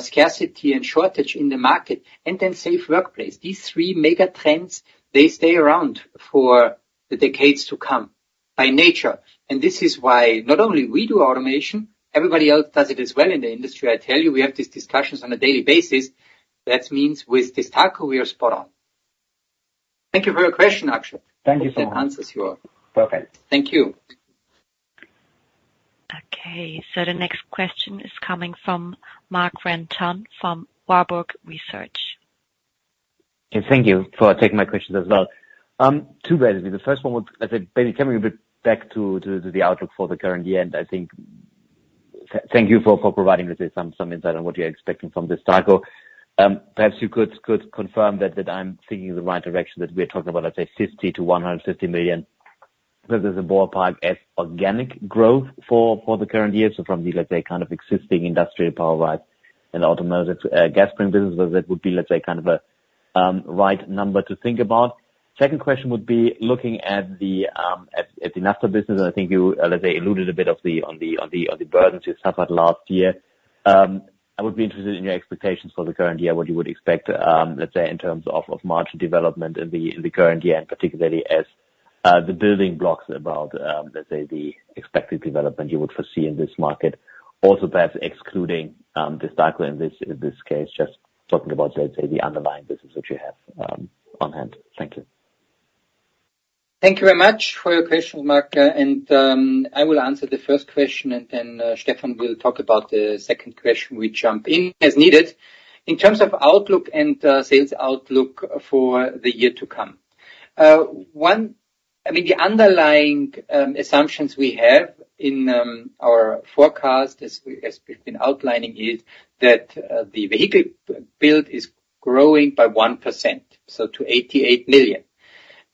B: scarcity and shortage in the market, and then safe workplace. These three mega trends, they stay around for the decades to come, by nature. And this is why not only we do automation, everybody else does it as well in the industry. I tell you, we have these discussions on a daily basis. That means with this DESTACO, we are spot on. Thank you for your question, Akshat.
D: Thank you so much.
B: Hope that answers your-
D: Perfect.
B: Thank you.
A: Okay, so the next question is coming from Marc-René Tonn from Warburg Research.
E: Okay, thank you for taking my questions as well. Two ways. The first one was, I think, maybe coming a bit back to the outlook for the current year, and I think thank you for providing us with some insight on what you're expecting from this cycle. Perhaps you could confirm that I'm thinking in the right direction, that we're talking about, let's say, 50 to 150 million, because there's a ballpark as organic growth for the current year. So from the, let's say, kind of existing Industrial POWERISE and automotive gas spring business, whether that would be, let's say, kind of a right number to think about. Second question would be looking at the industrial business, and I think you, let's say, alluded a bit to the burdens you suffered last year. I would be interested in your expectations for the current year, what you would expect, let's say, in terms of margin development in the current year, and particularly as the building blocks about, let's say, the expected development you would foresee in this market? Also perhaps excluding the cycle in this case, just talking about, let's say, the underlying business that you have on hand. Thank you.
B: Thank you very much for your question, Mark, and I will answer the first question, and then Stefan will talk about the second question. We jump in as needed. In terms of outlook and sales outlook for the year to come, I mean, the underlying assumptions we have in our forecast, as we've been outlining, is that the vehicle build is growing by 1%, so to 88 million.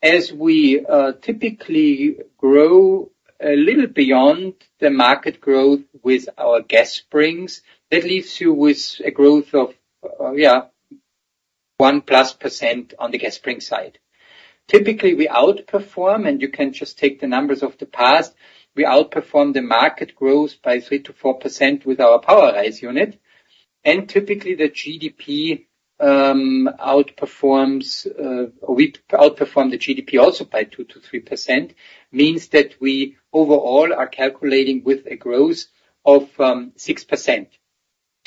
B: As we typically grow a little beyond the market growth with our gas springs, that leaves you with a growth of, yeah, 1%+ on the gas spring side. Typically, we outperform, and you can just take the numbers of the past, we outperform the market growth by 3% to 4% with our POWERISE unit. And typically, the GDP outperforms, we outperform the GDP also by 2% to 3%, means that we overall are calculating with a growth of 6%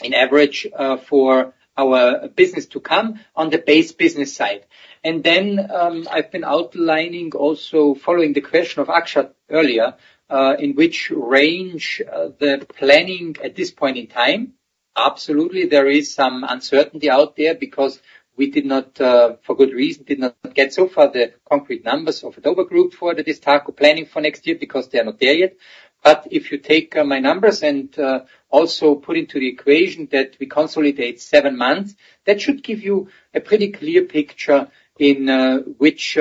B: in average for our business to come on the base business side. And then, I've been outlining also following the question of Akshat earlier, in which range the planning at this point in time, absolutely there is some uncertainty out there because we did not, for good reason, did not get so far the concrete numbers of Dover for the DESTACO planning for next year, because they are not there yet. But if you take my numbers and also put into the equation that we consolidate seven months, that should give you a pretty clear picture in which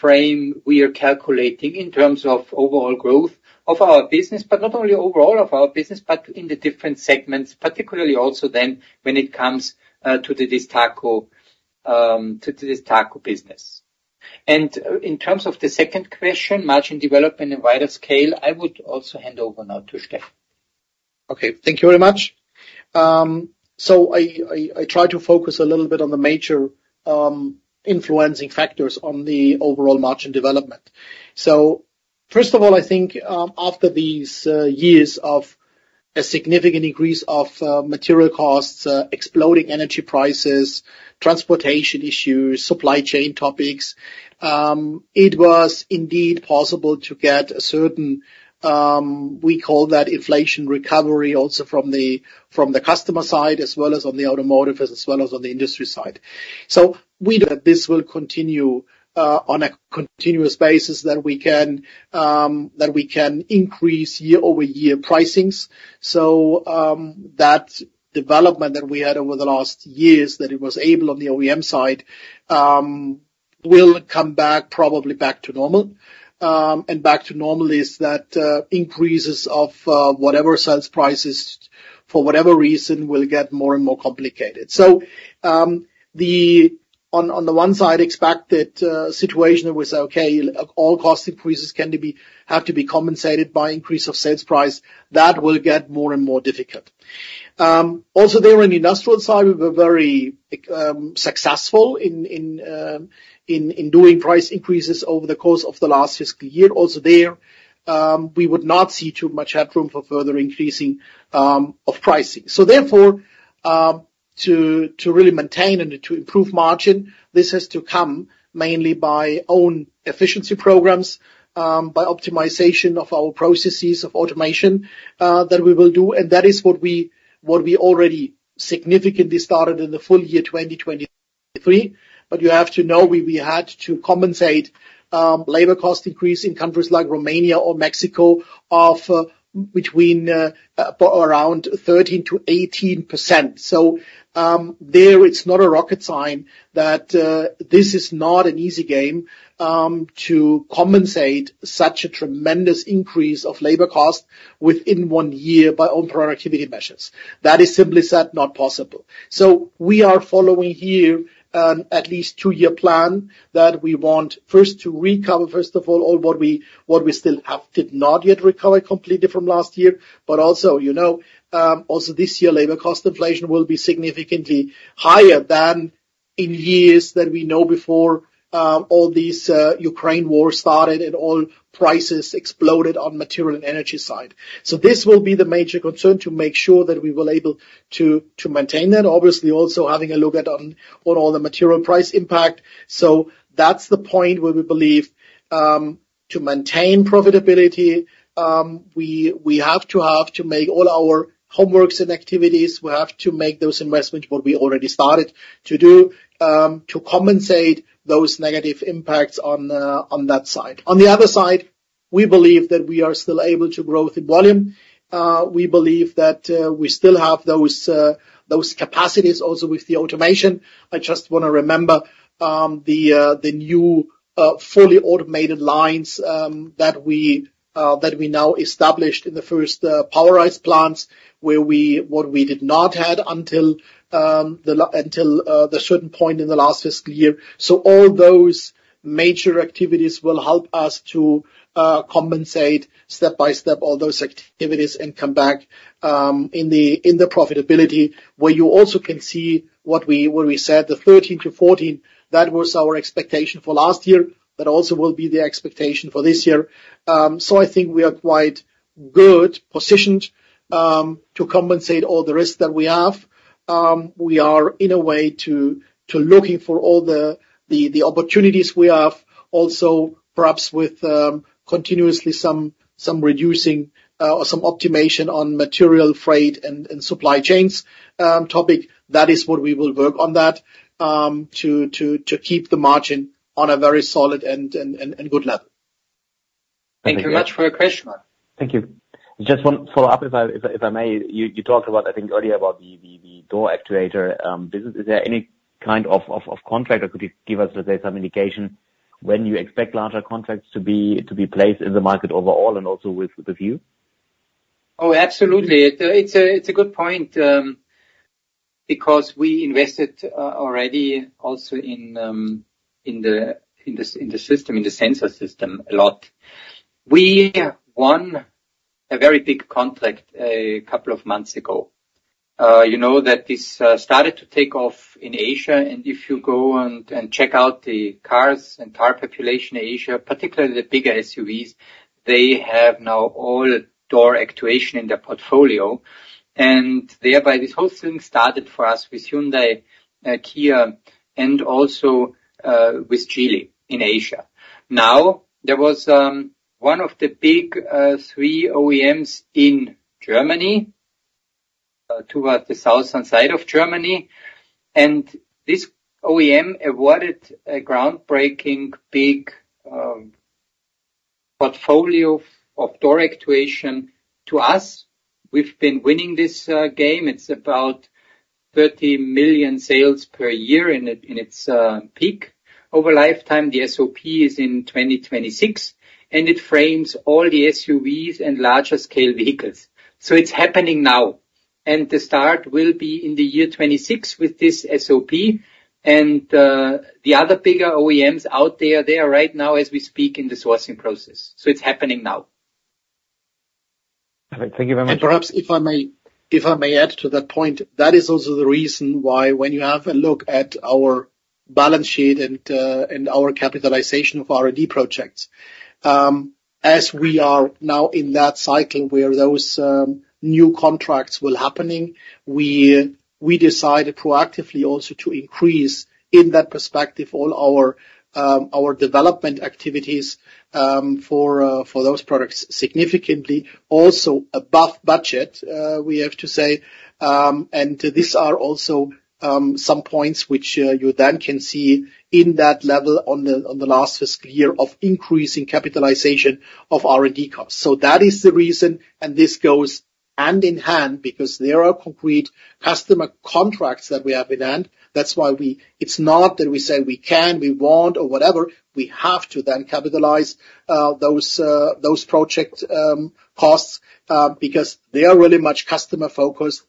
B: frame we are calculating in terms of overall growth of our business, but not only overall of our business, but in the different segments, particularly also then when it comes to the DESTACO business. And in terms of the second question, margin development and wider scale, I would also hand over now to Stefan.
C: Okay, thank you very much. So I try to focus a little bit on the major influencing factors on the overall margin development. So first of all, I think, after these years of a significant increase of material costs, exploding energy prices, transportation issues, supply chain topics, it was indeed possible to get a certain, we call that inflation recovery also from the customer side, as well as on the automotive, as well as on the industry side. So we know that this will continue on a continuous basis, that we can increase year-over-year pricings. So, that development that we had over the last years, that it was able on the OEM side, will come back, probably back to normal. And back to normal is that increases of whatever sales prices, for whatever reason, will get more and more complicated. So, on the one side, expect that situation was okay, all cost increases can be have to be compensated by increase of sales price, that will get more and more difficult. Also, there on the industrial side, we were very successful in doing price increases over the course of the last fiscal year. Also there, we would not see too much headroom for further increasing of pricing. So therefore, to really maintain and to improve margin, this has to come mainly by own efficiency programs, by optimization of our processes of automation, that we will do. That is what we, what we already significantly started in the full year 2023. But you have to know, we, we had to compensate, labor cost increase in countries like Romania or Mexico of between around 13% to 18%. So, there, it's not rocket science that, this is not an easy game, to compensate such a tremendous increase of labor cost within one year by own productivity measures. That is simply said, not possible. So we are following here, at least two-year plan, that we want first to recover, first of all, all what we, what we still have did not yet recover completely from last year. But also, you know, also this year, labor cost inflation will be significantly higher than in years that we know before, all these, Ukraine war started and all prices exploded on material and energy side. So this will be the major concern, to make sure that we will able to, to maintain that. Obviously, also having a look at on, on all the material price impact. So that's the point where we believe, to maintain profitability, we, we have to have to make all our homeworks and activities, we have to make those investments, what we already started to do, to compensate those negative impacts on, on that side. On the other side, we believe that we are still able to grow with volume. We believe that, we still have those, those capacities also with the automation. I just wanna remember the new fully automated lines that we now established in the first POWERISE plants, where what we did not have until the certain point in the last fiscal year. So all those major activities will help us to compensate step by step all those activities and come back in the profitability. Where you also can see what we said, the 13 to 14, that was our expectation for last year, but also will be the expectation for this year. So I think we are good positioned to compensate all the risks that we have. We are in a way to looking for all the opportunities we have, also perhaps with continuously some reducing or some optimization on material freight and supply chains topic. That is what we will work on that to keep the margin on a very solid and good level.
B: Thank you much for your question.
E: Thank you. Just one follow-up, if I may. You talked about, I think, earlier about the door actuator business. Is there any kind of contract, or could you give us some indication when you expect larger contracts to be placed in the market overall and also with you?
B: Oh, absolutely. It's a good point, because we invested already also in the system, in the sensor system a lot. We won a very big contract a couple of months ago. You know, that this started to take off in Asia, and if you go and check out the cars and car population in Asia, particularly the bigger SUVs, they have now all door actuation in their portfolio. And thereby, this whole thing started for us with Hyundai, Kia, and also with Geely in Asia. Now, there was one of the big three OEMs in Germany towards the southern side of Germany, and this OEM awarded a groundbreaking, big portfolio of door actuation to us. We've been winning this game. It's about 30 million sales per year in its, in its peak. Over lifetime, the SOP is in 2026, and it frames all the SUVs and larger scale vehicles. So it's happening now, and the start will be in the year 2026 with this SOP, and the other bigger OEMs out there, they are right now, as we speak, in the sourcing process. So it's happening now.
E: All right, thank you very much.
C: And perhaps if I may, if I may add to that point, that is also the reason why when you have a look at our balance sheet and our capitalization of R&D projects, as we are now in that cycle where those new contracts were happening, we decided proactively also to increase, in that perspective, all our development activities for those products significantly, also above budget, we have to say. And these are also some points which you then can see in that level on the last fiscal year of increasing capitalization of R&D costs. So that is the reason, and this goes hand in hand, because there are complete customer contracts that we have in hand. That's why it's not that we say we can, we want, or whatever, we have to then capitalize those project costs because they are really much customer focused.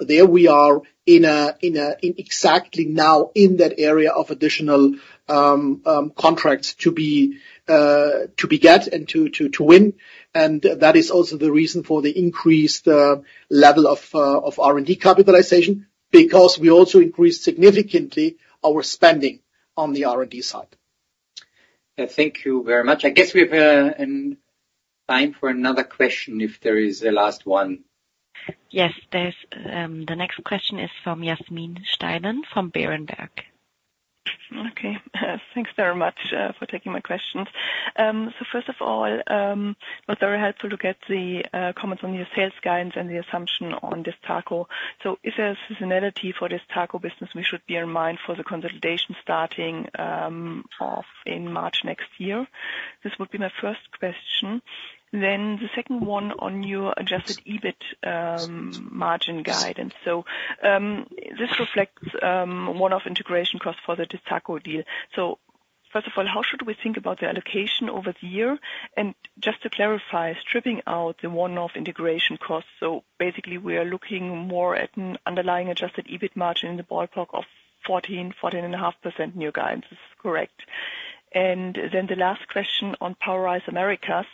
C: There we are in exactly now in that area of additional contracts to be to get and to win, and that is also the reason for the increased level of R&D capitalization, because we also increased significantly our spending on the R&D side.
B: Thank you very much. I guess we have time for another question, if there is a last one.
A: Yes, there's... The next question is from Yasmin Steilen from Berenberg.
F: Okay, thanks very much for taking my questions. So first of all, it was very helpful to look at the comments on your sales guidance and the assumption on DESTACO. So is there a seasonality for DESTACO business we should bear in mind for the consolidation starting off in March next year? This would be my first question. Then the second one on your Adjusted EBIT margin guidance. So this reflects one-off integration costs for the DESTACO deal. So first of all, how should we think about the allocation over the year? And just to clarify, stripping out the one-off integration costs, so basically, we are looking more at an underlying Adjusted EBIT margin in the ballpark of 14% to 14.5% in your guidance. Is this correct? And then the last question on POWERISE Americas.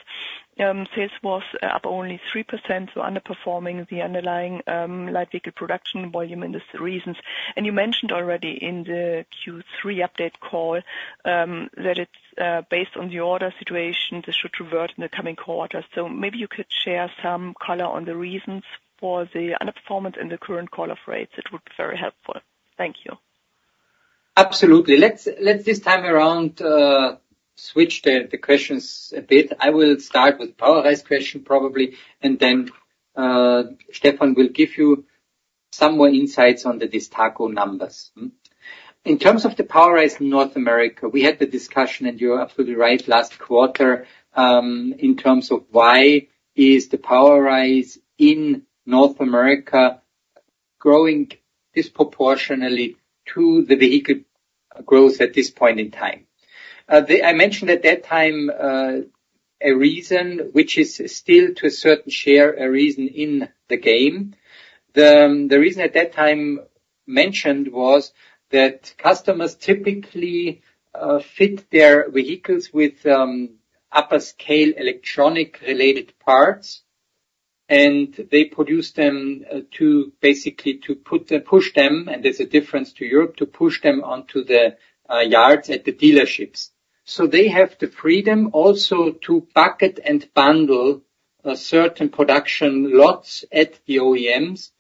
F: Sales was up only 3%, so underperforming the underlying light vehicle production volume in this reasons. And you mentioned already in the Q3 update call that it's based on the order situation, this should revert in the coming quarters. So maybe you could share some color on the reasons for the underperformance in the current call-off rates. It would be very helpful. Thank you.
B: Absolutely. Let's this time around switch the questions a bit. I will start with POWERISE question, probably, and then Stefan will give you some more insights on the DESTACO numbers. In terms of the POWERISE in North America, we had the discussion, and you are absolutely right, last quarter, in terms of why is the POWERISE in North America growing disproportionally to the vehicle growth at this point in time? I mentioned at that time a reason which is still, to a certain share, a reason in the game. The reason at that time mentioned was that customers typically fit their vehicles with upper scale electronic-related parts. And they produce them to basically to put, push them, and there's a difference to Europe, to push them onto the yards at the dealerships. So they have the freedom also to bucket and bundle certain production lots at the OEMs,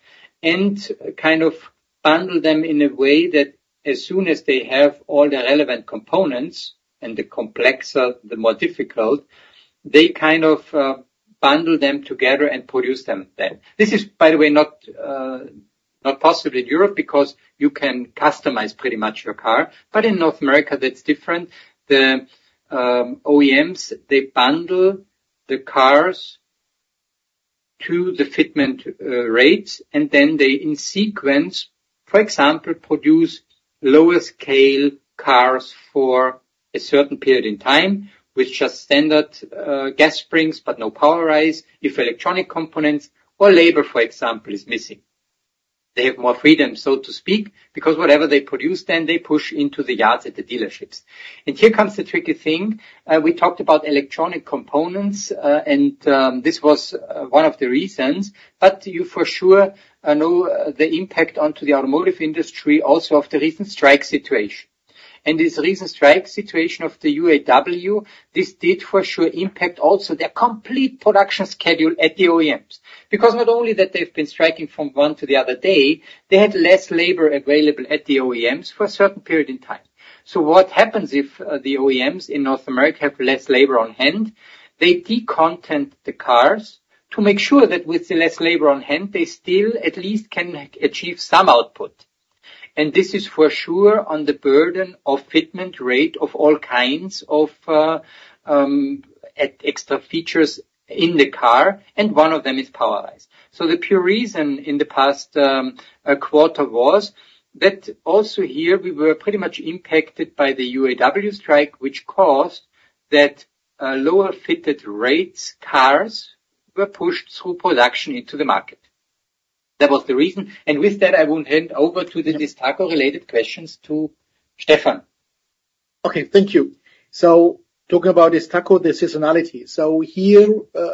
B: and kind of bundle them in a way that as soon as they have all the relevant components, and the complexer, the more difficult, they kind of bundle them together and produce them then. This is, by the way, not possible in Europe, because you can customize pretty much your car, but in North America, that's different. The OEMs, they bundle the cars to the fitment rates, and then they, in sequence, for example, produce lower scale cars for a certain period in time, with just standard gas springs, but no POWERISE, if electronic components or labor, for example, is missing. They have more freedom, so to speak, because whatever they produce, then they push into the yards at the dealerships. Here comes the tricky thing, we talked about electronic components, and this was one of the reasons, but you for sure know the impact onto the automotive industry also of the recent strike situation. This recent strike situation of the UAW, this did for sure impact also the complete production schedule at the OEMs. Because not only that they've been striking from one to the other day, they had less labor available at the OEMs for a certain period in time. So what happens if the OEMs in North America have less labor on hand? They de-content the cars to make sure that with the less labor on hand, they still at least can achieve some output. This is for sure on the burden of fitment rate of all kinds of extra features in the car, and one of them is POWERISE. The pure reason in the past quarter was that also here, we were pretty much impacted by the UAW strike, which caused that lower fitted rates cars were pushed through production into the market. That was the reason, and with that, I will hand over to the DESTACO related questions to Stefan.
C: Okay, thank you. So talking about DESTACO, the seasonality. So here,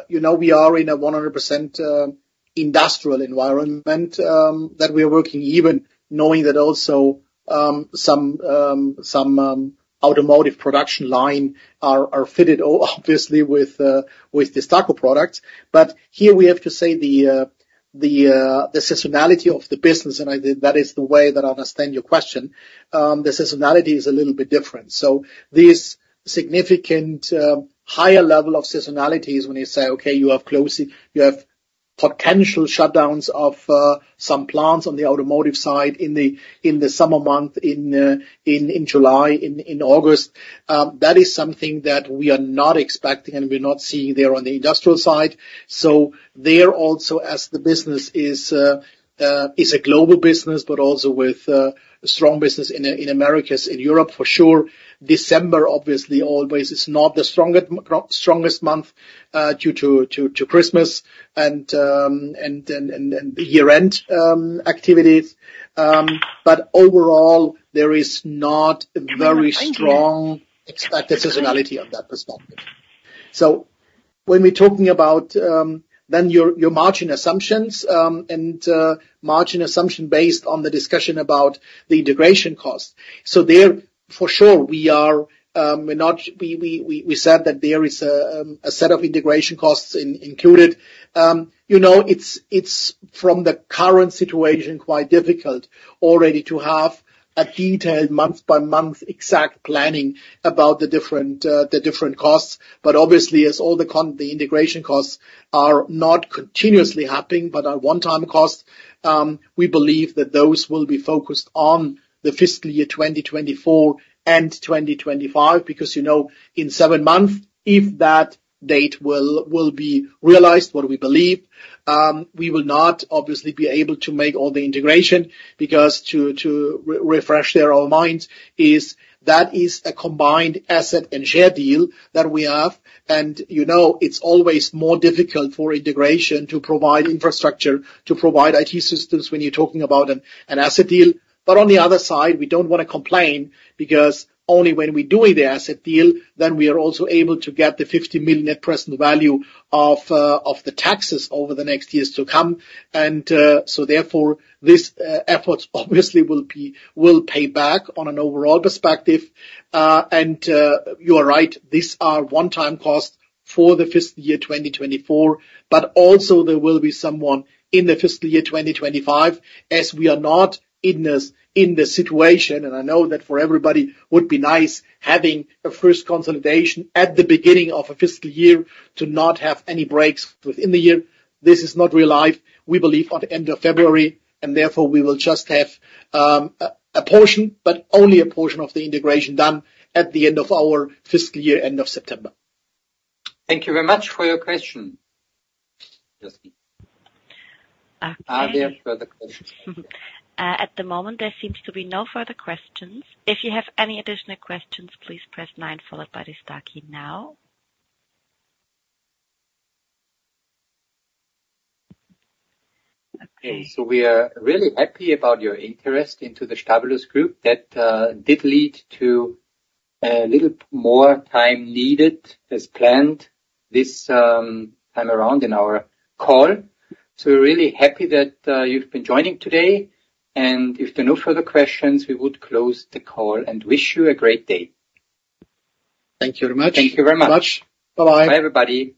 C: you know, we are in a 100% industrial environment that we are working, even knowing that also some automotive production lines are fitted obviously with DESTACO products. But here we have to say the seasonality of the business, and that is the way that I understand your question. The seasonality is a little bit different. So this significant higher level of seasonality is when you say, okay, you have potential shutdowns of some plants on the automotive side in the summer months, in July, in August. That is something that we are not expecting, and we're not seeing there on the industrial side. So there also, as the business is a global business, but also with strong business in Americas, in Europe, for sure. December, obviously, always is not the strongest month due to Christmas, and year-end activities. But overall, there is not a very strong expected seasonality on that perspective. So when we're talking about then your margin assumptions and margin assumption based on the discussion about the integration costs. So there, for sure, we are, we're not—we said that there is a set of integration costs included. You know, it's from the current situation quite difficult already to have a detailed month-by-month exact planning about the different, the different costs. But obviously, as all the integration costs are not continuously happening, but are one-time costs, we believe that those will be focused on the fiscal year 2024 and 2025. Because, you know, in 7 months, if that date will be realized, what we believe, we will not obviously be able to make all the integration, because to refresh their own minds, it is a combined asset and share deal that we have. And, you know, it's always more difficult for integration to provide infrastructure, to provide IT systems when you're talking about an asset deal. But on the other side, we don't wanna complain, because only when we're doing the asset deal, then we are also able to get the 50 million net present value of the taxes over the next years to come. So therefore, these efforts obviously will pay back on an overall perspective. You are right, these are one-time costs for the fiscal year 2024, but also there will be some in the fiscal year 2025, as we are not in the situation, and I know that for everybody would be nice having a first consolidation at the beginning of a fiscal year to not have any breaks within the year. This is not real life. We believe at the end of February, and therefore we will just have a portion, but only a portion of the integration done at the end of our fiscal year, end of September.
B: Thank you very much for your question. Jessica?
A: Okay.
B: Are there further questions?
A: At the moment, there seems to be no further questions. If you have any additional questions, please press nine followed by the star key now.
B: Okay, so we are really happy about your interest into the Stabilus group. That did lead to a little more time needed as planned this time around in our call. So we're really happy that you've been joining today, and if there are no further questions, we would close the call and wish you a great day.
C: Thank you very much.
B: Thank you very much.
C: Bye-bye.
B: Bye, everybody.